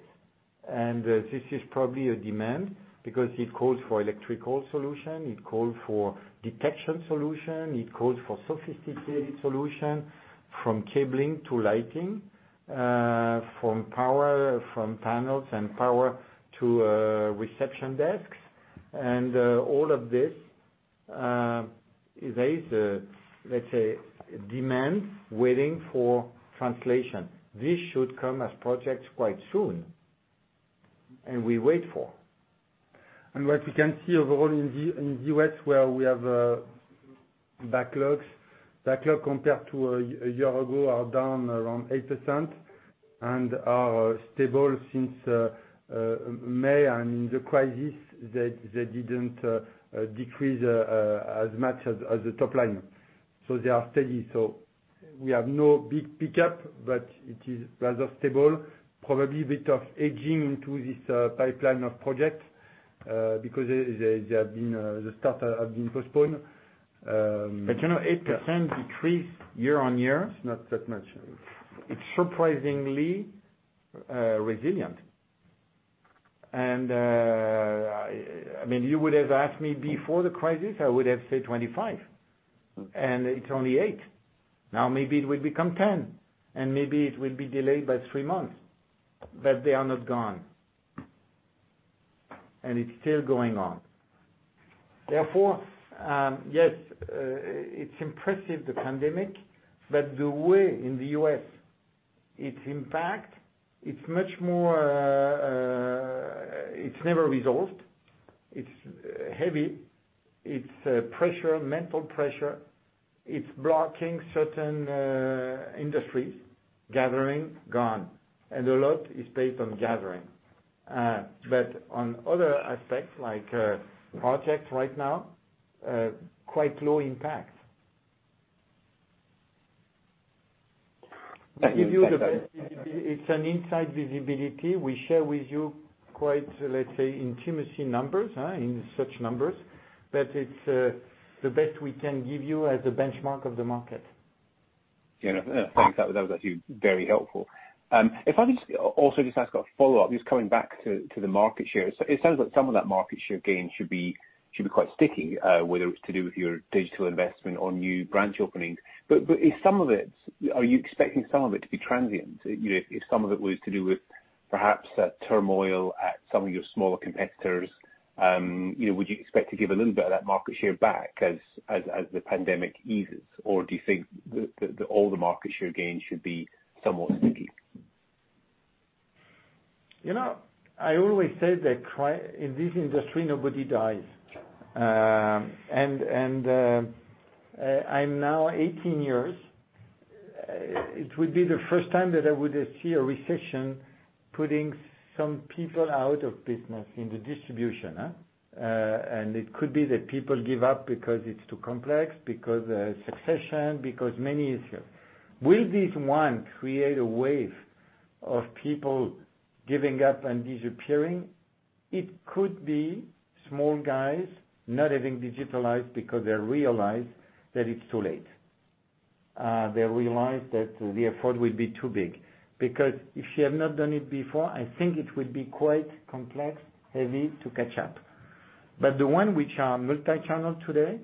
Speaker 2: This is probably a demand because it calls for electrical solution, it call for detection solution, it calls for sophisticated solution, from cabling to lighting, from panels and power to reception desks, and all of this raises a demand waiting for translation. This should come as projects quite soon, and we wait for.
Speaker 3: What we can see overall in the U.S., where we have backlogs. Backlog compared to a year ago are down around 8% and are stable since May and in the crisis, they didn't decrease as much as the top line. They are steady. We have no big pickup, but it is rather stable, probably a bit of edging into this pipeline of project, because the start have been postponed.
Speaker 2: You know, 8% decrease year-on-year.
Speaker 3: It's not that much.
Speaker 2: It's surprisingly resilient. You would have asked me before the crisis, I would have said 25, it's only 8%. Now, maybe it will become 10, maybe it will be delayed by three months, they are not gone. It's still going on. Therefore, yes, it's impressive, the pandemic, the way in the U.S., its impact, it's never resolved. It's heavy. It's pressure, mental pressure. It's blocking certain industries. Gathering, gone. A lot is based on gathering on other aspects like projects right now, quite low impact.
Speaker 8: Thank you.
Speaker 2: We give you the best. It's an inside visibility. We share with you quite, let's say, intimacy numbers in such numbers, but it's the best we can give you as a benchmark of the market.
Speaker 8: Yeah, no, thanks. That was actually very helpful. If I just also just ask a follow-up, just coming back to the market share, it sounds like some of that market share gain should be quite sticky, whether it's to do with your digital investment or new branch openings. Are you expecting some of it to be transient? If some of it was to do with perhaps a turmoil at some of your smaller competitors, would you expect to give a little bit of that market share back as the pandemic eases? Do you think that all the market share gains should be somewhat sticky?
Speaker 2: I always said that in this industry, nobody dies. I'm now 18 years. It would be the first time that I would see a recession putting some people out of business in the distribution. It could be that people give up because it's too complex, because succession, because many issues. Will this one create a wave of people giving up and disappearing? It could be small guys not having digitalized because they realize that it's too late. They realize that the effort will be too big. If you have not done it before, I think it will be quite complex, heavy to catch up. The one which are multi-channel today,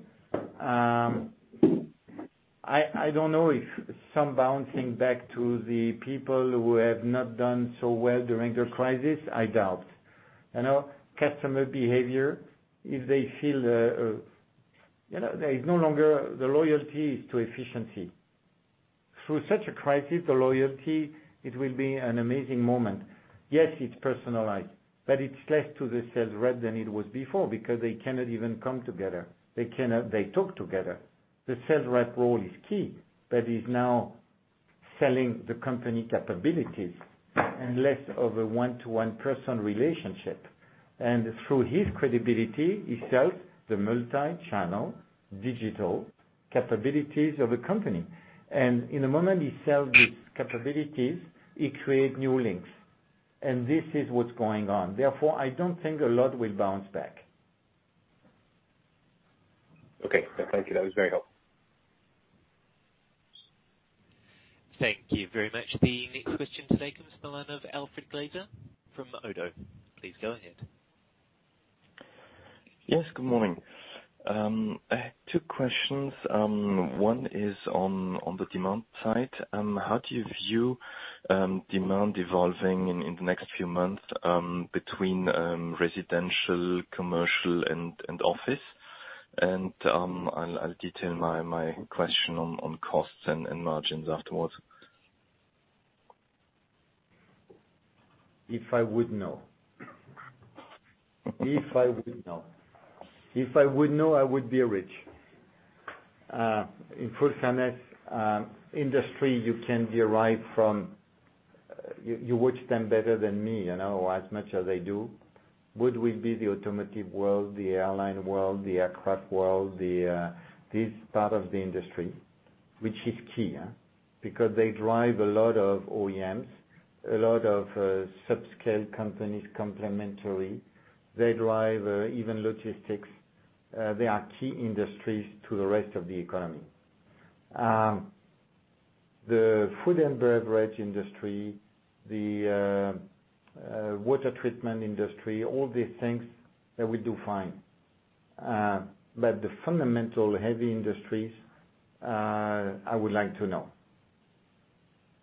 Speaker 2: I don't know if some bouncing back to the people who have not done so well during the crisis, I doubt. Customer behavior, if they feel there is no longer, the loyalty is to efficiency. Through such a crisis, the loyalty, it will be an amazing moment. Yes, it's personalized, but it's less to the sales rep than it was before because they cannot even come together. They cannot talk together. The sales rep role is key, but is now selling the company capabilities and less of a one-to-one person relationship. Through his credibility, he sells the multi-channel digital capabilities of a company. In the moment he sells these capabilities, he create new links. This is what's going on. Therefore, I don't think a lot will bounce back.
Speaker 8: Okay. Thank you. That was very helpful.
Speaker 1: Thank you very much. The next question today comes from line of Alfred Glaser from ODDO. Please go ahead.
Speaker 9: Yes, good morning. I had two questions. One is on the demand side. How do you view demand evolving in the next few months between residential, commercial, and office? I'll detail my question on costs and margins afterwards.
Speaker 2: If I would know. If I would know. If I would know, I would be rich. In full fairness, industry you can derive from you watch them better than me, as much as I do, would we be the automotive world, the airline world, the aircraft world, this part of the industry, which is key. Because they drive a lot of OEMs, a lot of sub-scale companies complementary. They drive even logistics. They are key industries to the rest of the economy. The food and beverage industry, the water treatment industry, all these things that we do fine. The fundamental heavy industries, I would like to know.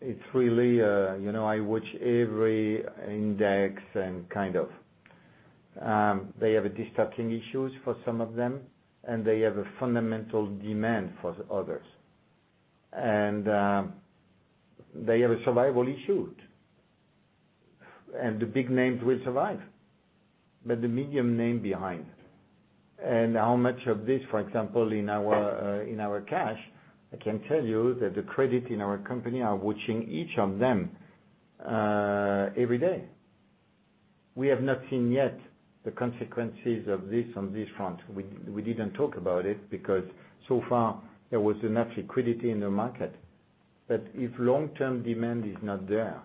Speaker 2: I watch every index and kind of. They have a disrupting issues for some of them, and they have a fundamental demand for others. They have a survival issue. The big names will survive, but the medium name behind. How much of this, for example, in our cash, I can tell you that the credit in our company are watching each of them every day. We have not seen yet the consequences of this on this front. We didn't talk about it because so far there was enough liquidity in the market. If long-term demand is not there,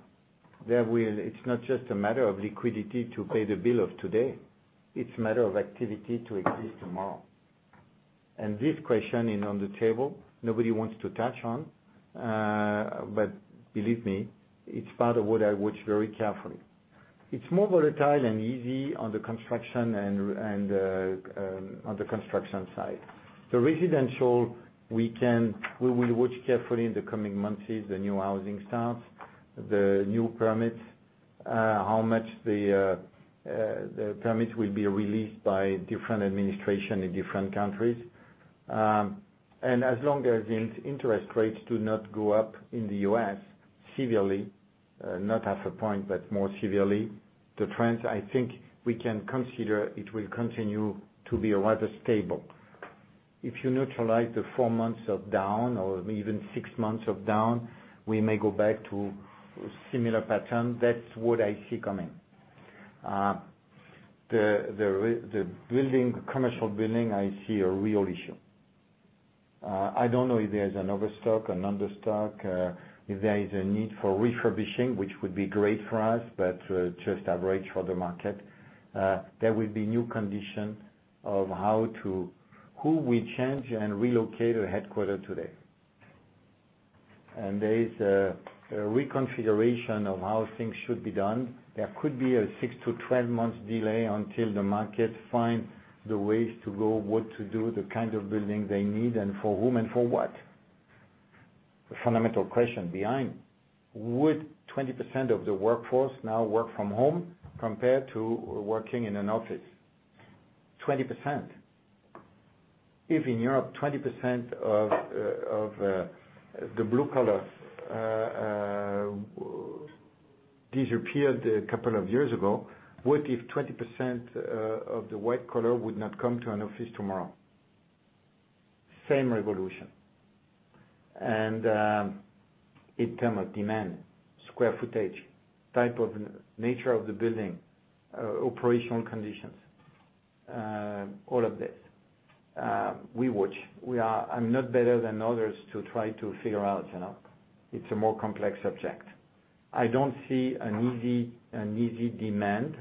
Speaker 2: it's not just a matter of liquidity to pay the bill of today. It's a matter of activity to exist tomorrow. This question is on the table nobody wants to touch on. Believe me, it's part of what I watch very carefully. It's more volatile and easy on the construction side. The residential, we will watch carefully in the coming months is the new housing starts, the new permits, how much the permits will be released by different administration in different countries. As long as interest rates do not go up in the U.S. severely, not half a point, but more severely, the trends, I think we can consider it will continue to be rather stable. If you neutralize the four months of down or even six months of down, we may go back to similar pattern. That's what I see coming. The commercial building, I see a real issue. I don't know if there is an overstock, an understock, if there is a need for refurbishing, which would be great for us, but just average for the market. There will be new condition of who will change and relocate a headquarter today. There is a reconfiguration of how things should be done. There could be a six-12 months delay until the market find the ways to go, what to do, the kind of building they need, and for whom and for what. The fundamental question behind, would 20% of the workforce now work from home compared to working in an office? 20%. If in Europe, 20% of the blue collar disappeared a couple of years ago, what if 20% of the white collar would not come to an office tomorrow? Same revolution, in term of demand, square footage, type of nature of the building, operational conditions, all of this. We watch. I'm not better than others to try to figure out. It's a more complex subject. I don't see an easy demand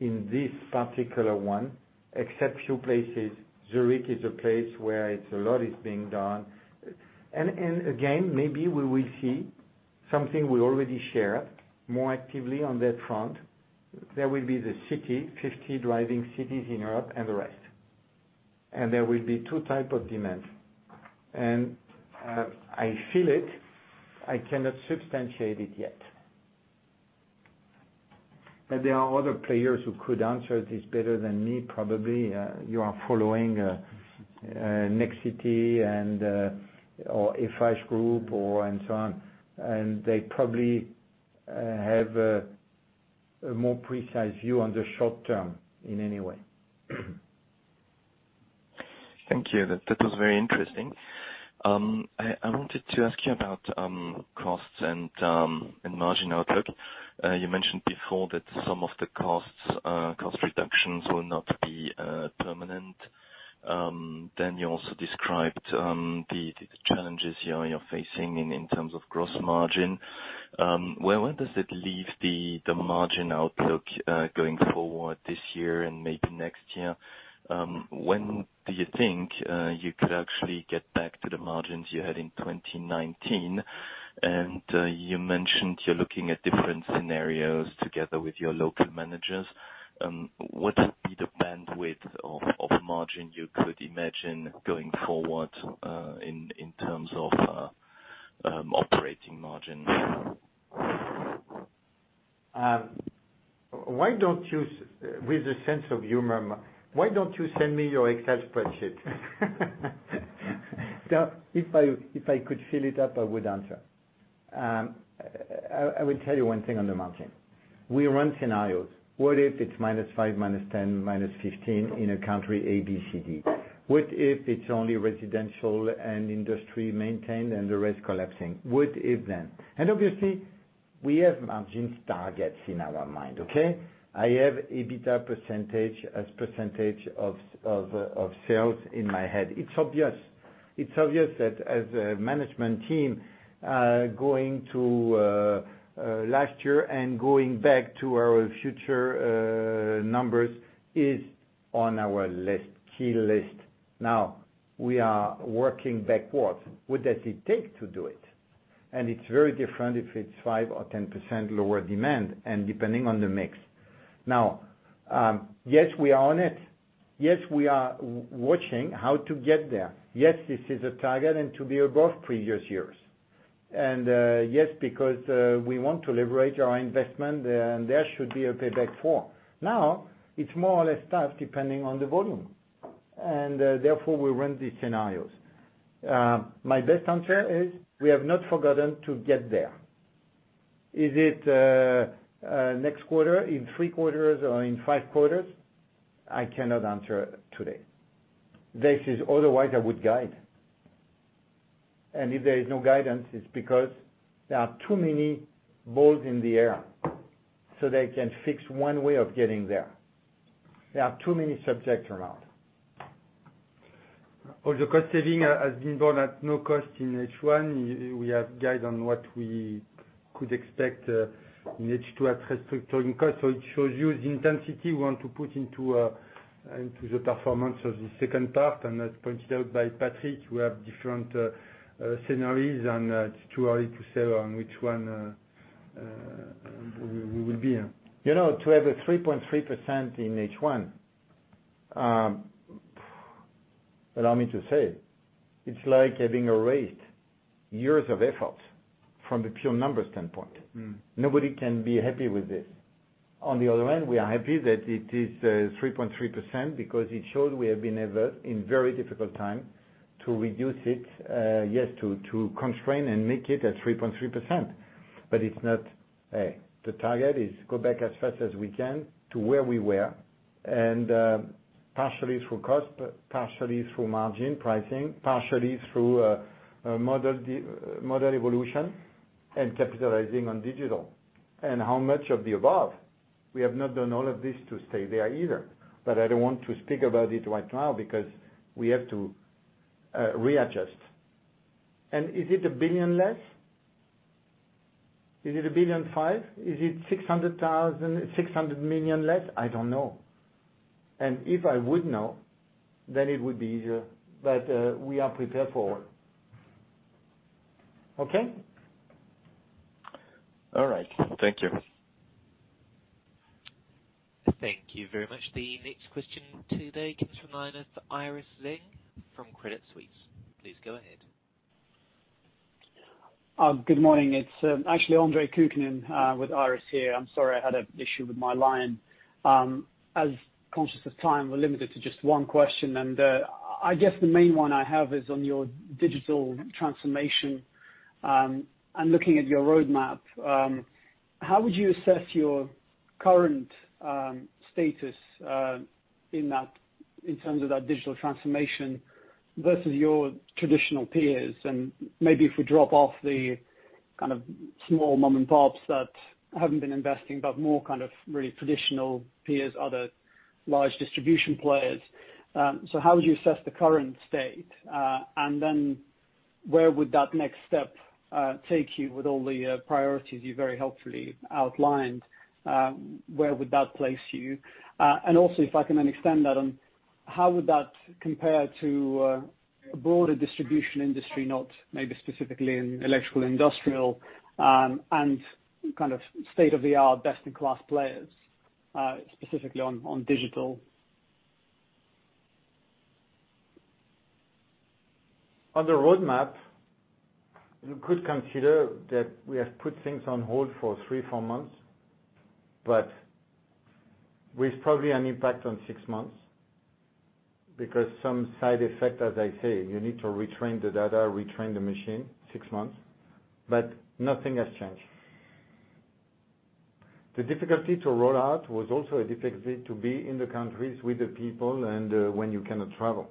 Speaker 2: in this particular one, except few places. Zurich is a place where it's a lot is being done. Again, maybe we will see something we already share more actively on that front. There will be the city, 50 driving cities in Europe and the rest. There will be two type of demands. I feel it, I cannot substantiate it yet. There are other players who could answer this better than me, probably. You are following Nexity or Eiffage Group and so on. They probably have a more precise view on the short term in any way.
Speaker 9: Thank you. That was very interesting. I wanted to ask you about costs and margin outlook. You mentioned before that some of the cost reductions will not be permanent. You also described the challenges you're facing in terms of gross margin. Where does it leave the margin outlook, going forward this year and maybe next year? When do you think you could actually get back to the margins you had in 2019? You mentioned you're looking at different scenarios together with your local managers. What would be the bandwidth of margin you could imagine going forward, in terms of operating margin?
Speaker 2: With a sense of humor, why don't you send me your Excel spreadsheet? If I could fill it up, I would answer. I will tell you one thing on the margin. We run scenarios. What if it's -5, -10, -15 in a country A, B, C, D? What if it's only residential and industry maintained and the rest collapsing? What if then? Obviously, we have margins targets in our mind, okay? I have EBITDA percentage as percentage of sales in my head. It's obvious that as a management team, going to last year and going back to our future numbers is on our key list. We are working backwards. What does it take to do it? It's very different if it's 5% or 10% lower demand, and depending on the mix. Yes, we are on it. Yes, we are watching how to get there. Yes, this is a target to be above previous years. Yes, because we want to liberate our investment, and there should be a payback for. Now, it's more or less tough depending on the volume. Therefore, we run these scenarios. My best answer is we have not forgotten to get there. Is it next quarter, in three quarters or in five quarters? I cannot answer today. This is, otherwise, I would guide. If there is no guidance, it's because there are too many balls in the air, so they can fix one way of getting there. There are too many subjects around.
Speaker 3: All the cost saving has been done at no cost in H1. We have guide on what we could expect in H2 at restructuring cost. It shows you the intensity we want to put into the performance of the second part. As pointed out by Patrick, we have different scenarios, and it's too early to say on which one we will be in.
Speaker 2: To have a 3.3% in H1, allow me to say, it's like having erased years of effort from the pure numbers standpoint. Nobody can be happy with this. On the other end, we are happy that it is 3.3% because it showed we have been able, in very difficult time, to reduce it, yes, to constrain and make it at 3.3%. It's not, hey, the target is go back as fast as we can to where we were, and partially through cost, partially through margin pricing, partially through model evolution and capitalizing on digital. How much of the above? We have not done all of this to stay there either. I don't want to speak about it right now because we have to readjust. Is it 1 billion less? Is it 1.5 billion? Is it 600 million less? I don't know. If I would know, then it would be easier. We are prepared for it. Okay?
Speaker 9: All right. Thank you.
Speaker 1: Thank you very much. The next question today comes from the line of Iris Ling from Credit Suisse. Please go ahead.
Speaker 10: Good morning. It's actually Andre Kukhnin with Iris here. I'm sorry, I had an issue with my line. As conscious of time, we're limited to just one question. I guess the main one I have is on your digital transformation. I'm looking at your roadmap. How would you assess your current status in terms of that digital transformation versus your traditional peers? Maybe if we drop off the kind of small mom and pops that haven't been investing, but more kind of really traditional peers, other large distribution players. How would you assess the current state? Then where would that next step take you with all the priorities you very helpfully outlined? Where would that place you? Also, if I can then extend that on, how would that compare to a broader distribution industry, not maybe specifically in electrical, industrial, and kind of state-of-the-art, best-in-class players, specifically on digital?
Speaker 2: On the roadmap, you could consider that we have put things on hold for three, four months, but with probably an impact on six months, because some side effect, as I say, you need to retrain the data, retrain the machine, six months. Nothing has changed. The difficulty to roll out was also a difficulty to be in the countries with the people and when you cannot travel.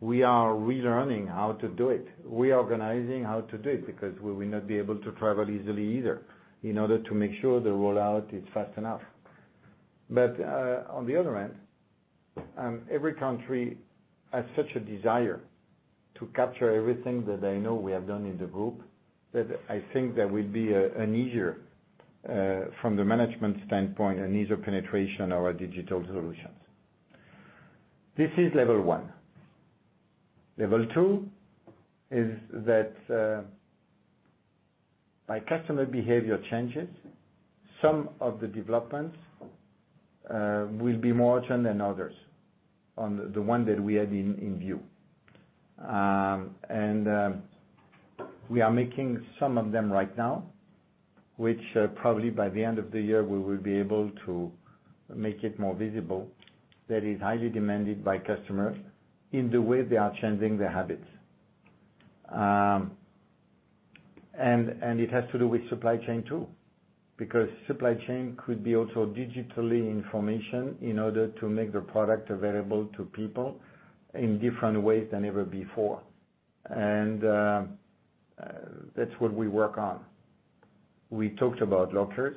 Speaker 2: We are relearning how to do it. Reorganizing how to do it because we will not be able to travel easily either in order to make sure the rollout is fast enough. On the other hand, every country has such a desire to capture everything that I know we have done in the group that I think there will be an easier, from the management standpoint, an easier penetration of our digital solutions. This is level 1. Level 2 is that by customer behavior changes, some of the developments will be more urgent than others on the one that we had in view. We are making some of them right now, which probably by the end of the year, we will be able to make it more visible that is highly demanded by customers in the way they are changing their habits. It has to do with supply chain too, because supply chain could be also digitally information in order to make the product available to people in different ways than ever before. That's what we work on. We talked about lockers,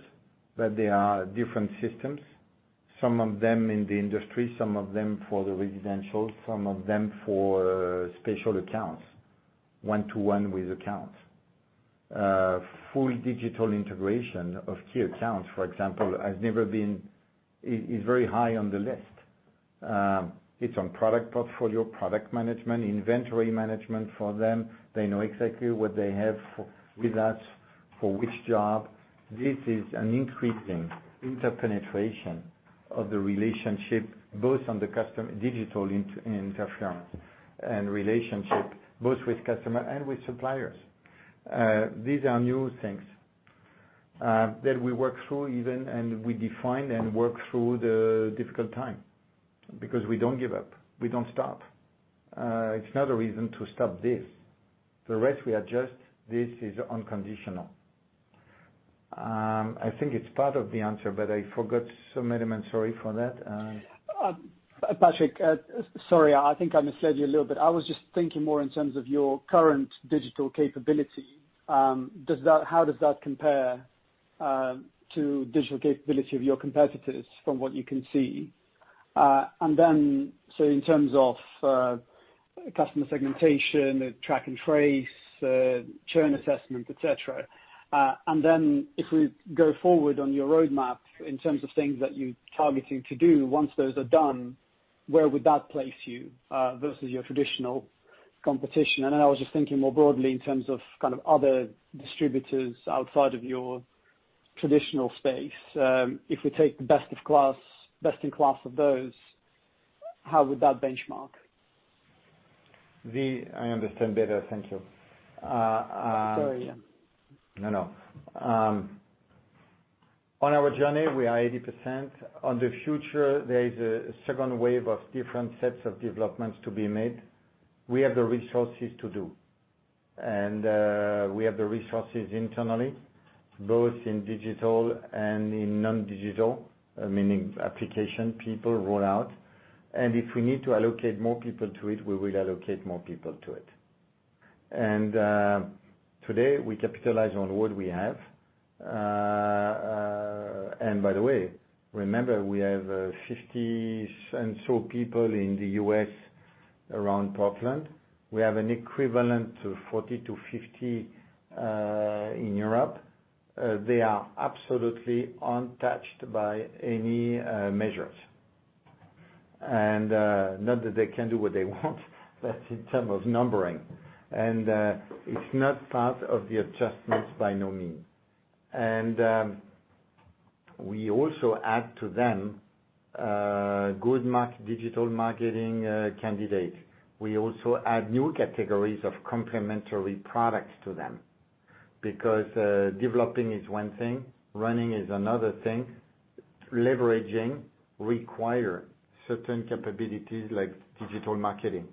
Speaker 2: they are different systems. Some of them in the industry, some of them for the residential, some of them for special accounts, one-to-one with accounts. Full digital integration of key accounts, for example, is very high on the list. It is on product portfolio, product management, inventory management for them. They know exactly what they have with us for which job. This is an increasing interpenetration of the relationship, both on the customer digital interference and relationship, both with customer and with suppliers. These are new things that we work through even, and we define and work through the difficult time because we do not give up. We do not stop. It is not a reason to stop this. The rest we adjust, this is unconditional. I think it is part of the answer, but I forgot some element. Sorry for that.
Speaker 10: Patrick, sorry, I think I misled you a little bit. I was just thinking more in terms of your current digital capability. How does that compare to digital capability of your competitors from what you can see? In terms of customer segmentation, track and trace, churn assessment, et cetera. If we go forward on your roadmap in terms of things that you're targeting to do, once those are done, where would that place you versus your traditional competition? I was just thinking more broadly in terms of other distributors outside of your traditional space. If we take the best in class of those, how would that benchmark?
Speaker 2: I understand better. Thank you.
Speaker 10: Sorry.
Speaker 2: No, no. On our journey, we are 80%. On the future, there is a second wave of different sets of developments to be made. We have the resources to do, we have the resources internally, both in digital and in non-digital, meaning application people roll out. If we need to allocate more people to it, we will allocate more people to it. Today, we capitalize on what we have. By the way, remember we have 50 and so people in the U.S. around Portland. We have an equivalent of 40-50 in Europe. They are absolutely untouched by any measures. Not that they can do what they want, but in terms of numbering. It's not part of the adjustments by no means. We also add to them good digital marketing candidates. We also add new categories of complementary products to them. Because developing is one thing, running is another thing. Leveraging requires certain capabilities like digital marketing.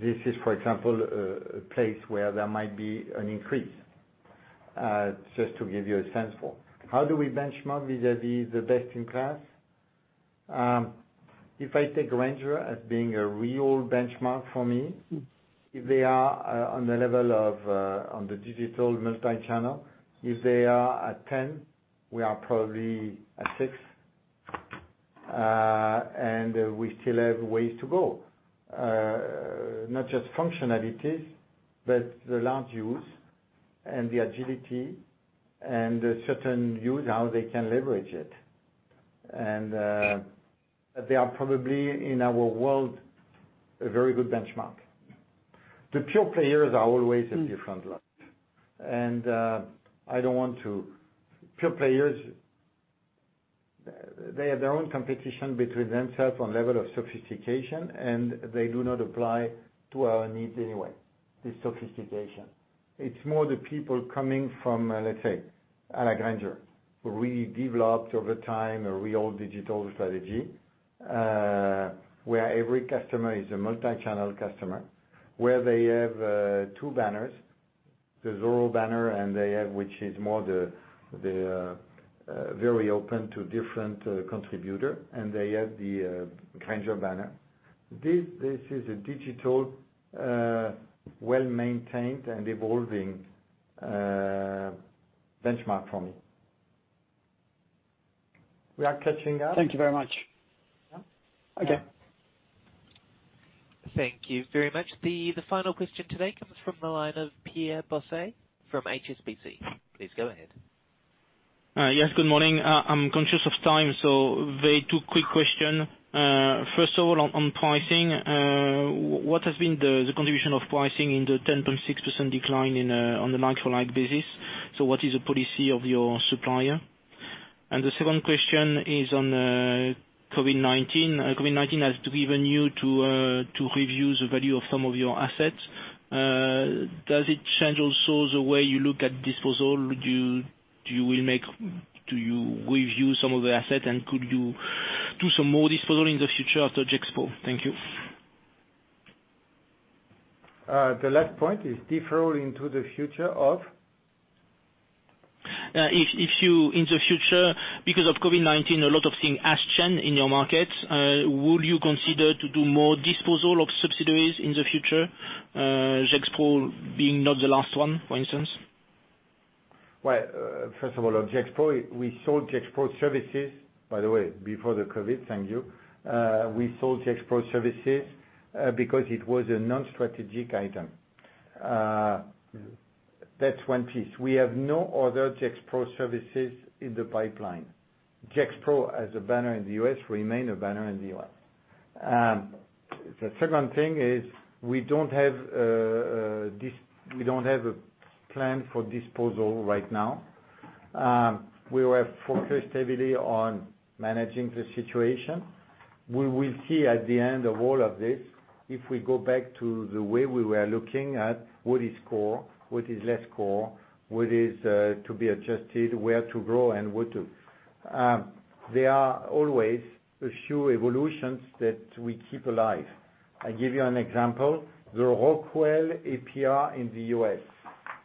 Speaker 2: This is, for example, a place where there might be an increase, just to give you a sense for it. How do we benchmark vis-à-vis the best in class? If I take Grainger as being a real benchmark for me, if they are on the level of, on the digital multi-channel, if they are at 10, we are probably at six, and we still have ways to go. Not just functionalities, but the large use and the agility and the certain use, how they can leverage it. They are probably, in our world, a very good benchmark. The pure players are always a different lot. Pure players, they have their own competition between themselves on level of sophistication, and they do not apply to our needs anyway, this sophistication. It's more the people coming from, let's say, à la Grainger, who really developed over time a real digital strategy, where every customer is a multi-channel customer, where they have two banners, the Zoro banner, which is more very open to different contributor, and they have the Grainger banner. This is a digital, well-maintained, and evolving benchmark for me. We are catching up.
Speaker 10: Thank you very much.
Speaker 2: Yeah.
Speaker 3: Okay.
Speaker 1: Thank you very much. The final question today comes from the line of Pierre Bosset from HSBC. Please go ahead.
Speaker 11: Yes, good morning. I'm conscious of time, very two quick question. First of all, on pricing, what has been the contribution of pricing in the 10.6% decline on the like-for-like basis? What is the policy of your supplier? The second question is on COVID-19. COVID-19 has driven you to review the value of some of your assets. Does it change also the way you look at disposal? Do you review some of the assets, and could you do some more disposal in the future after Gexpro? Thank you.
Speaker 2: The last point is deferral into the future of?
Speaker 11: If you, in the future, because of COVID-19, a lot of things has changed in your market, would you consider to do more disposal of subsidiaries in the future? Gexpro being not the last one, for instance.
Speaker 2: Well, first of all, on Gexpro, we sold Gexpro Services, by the way, before the COVID, thank you. We sold Gexpro Services because it was a non-strategic item. That's one piece. We have no other Gexpro Services in the pipeline. Gexpro as a banner in the U.S. remain a banner in the U.S. The second thing is we don't have a plan for disposal right now. We were focused heavily on managing the situation. We will see at the end of all of this, if we go back to the way we were looking at what is core, what is less core, what is to be adjusted, where to grow. There are always a few evolutions that we keep alive. I give you an example. The Rockwell APR in the U.S.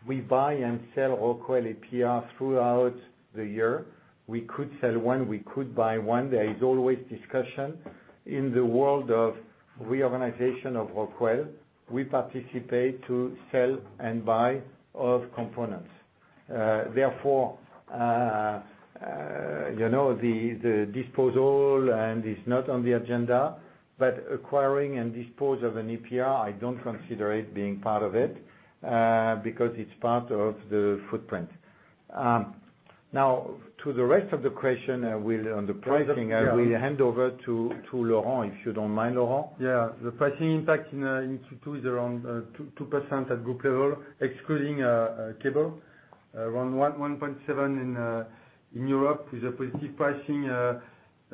Speaker 2: We buy and sell Rockwell APR throughout the year. We could sell one, we could buy one. There is always discussion. In the world of reorganization of Rockwell, we participate to sell and buy of components. Therefore, the disposal and is not on the agenda, but acquiring and dispose of an APR, I don't consider it being part of it, because it's part of the footprint. Now, to the rest of the question on the pricing, I will hand over to Laurent, if you don't mind, Laurent.
Speaker 3: Yeah. The pricing impact in Q2 is around 2% at group level, excluding cable. Around 1.7% in Europe with a positive pricing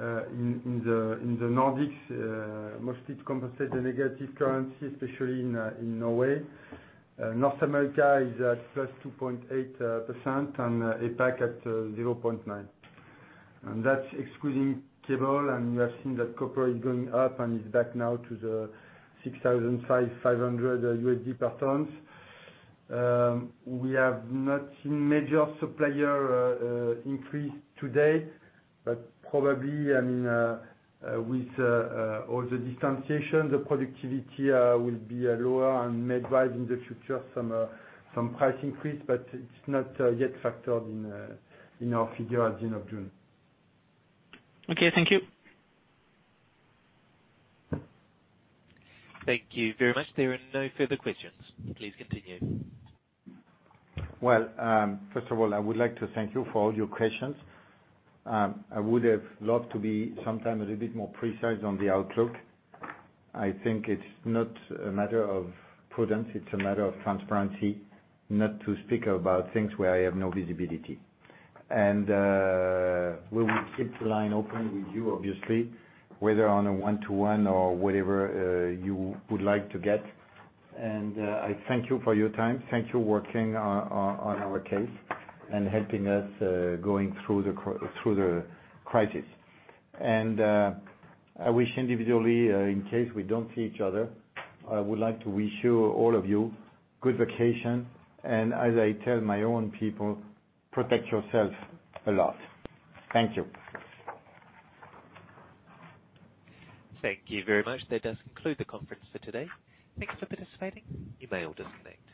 Speaker 3: in the Nordics, mostly to compensate the negative currency, especially in Norway. North America is at plus 2.8%, APAC at 0.9%. That's excluding cable, and we have seen that copper is going up and is back now to the $6,500 per tons. We have not seen major supplier increase today, probably with all the distanciation, the productivity will be lower and may drive in the future some price increase, it's not yet factored in our figure at the end of June.
Speaker 11: Okay, thank you.
Speaker 1: Thank you very much. There are no further questions. Please continue.
Speaker 2: Well, first of all, I would like to thank you for all your questions. I would have loved to be sometime a little bit more precise on the outlook. I think it's not a matter of prudence, it's a matter of transparency not to speak about things where I have no visibility. We will keep the line open with you, obviously, whether on a one-to-one or whatever you would like to get. I thank you for your time. Thank you working on our case and helping us going through the crisis. I wish individually, in case we don't see each other, I would like to wish you, all of you, good vacation. As I tell my own people, protect yourself a lot. Thank you.
Speaker 1: Thank you very much. That does conclude the conference for today. Thanks for participating. You may all disconnect.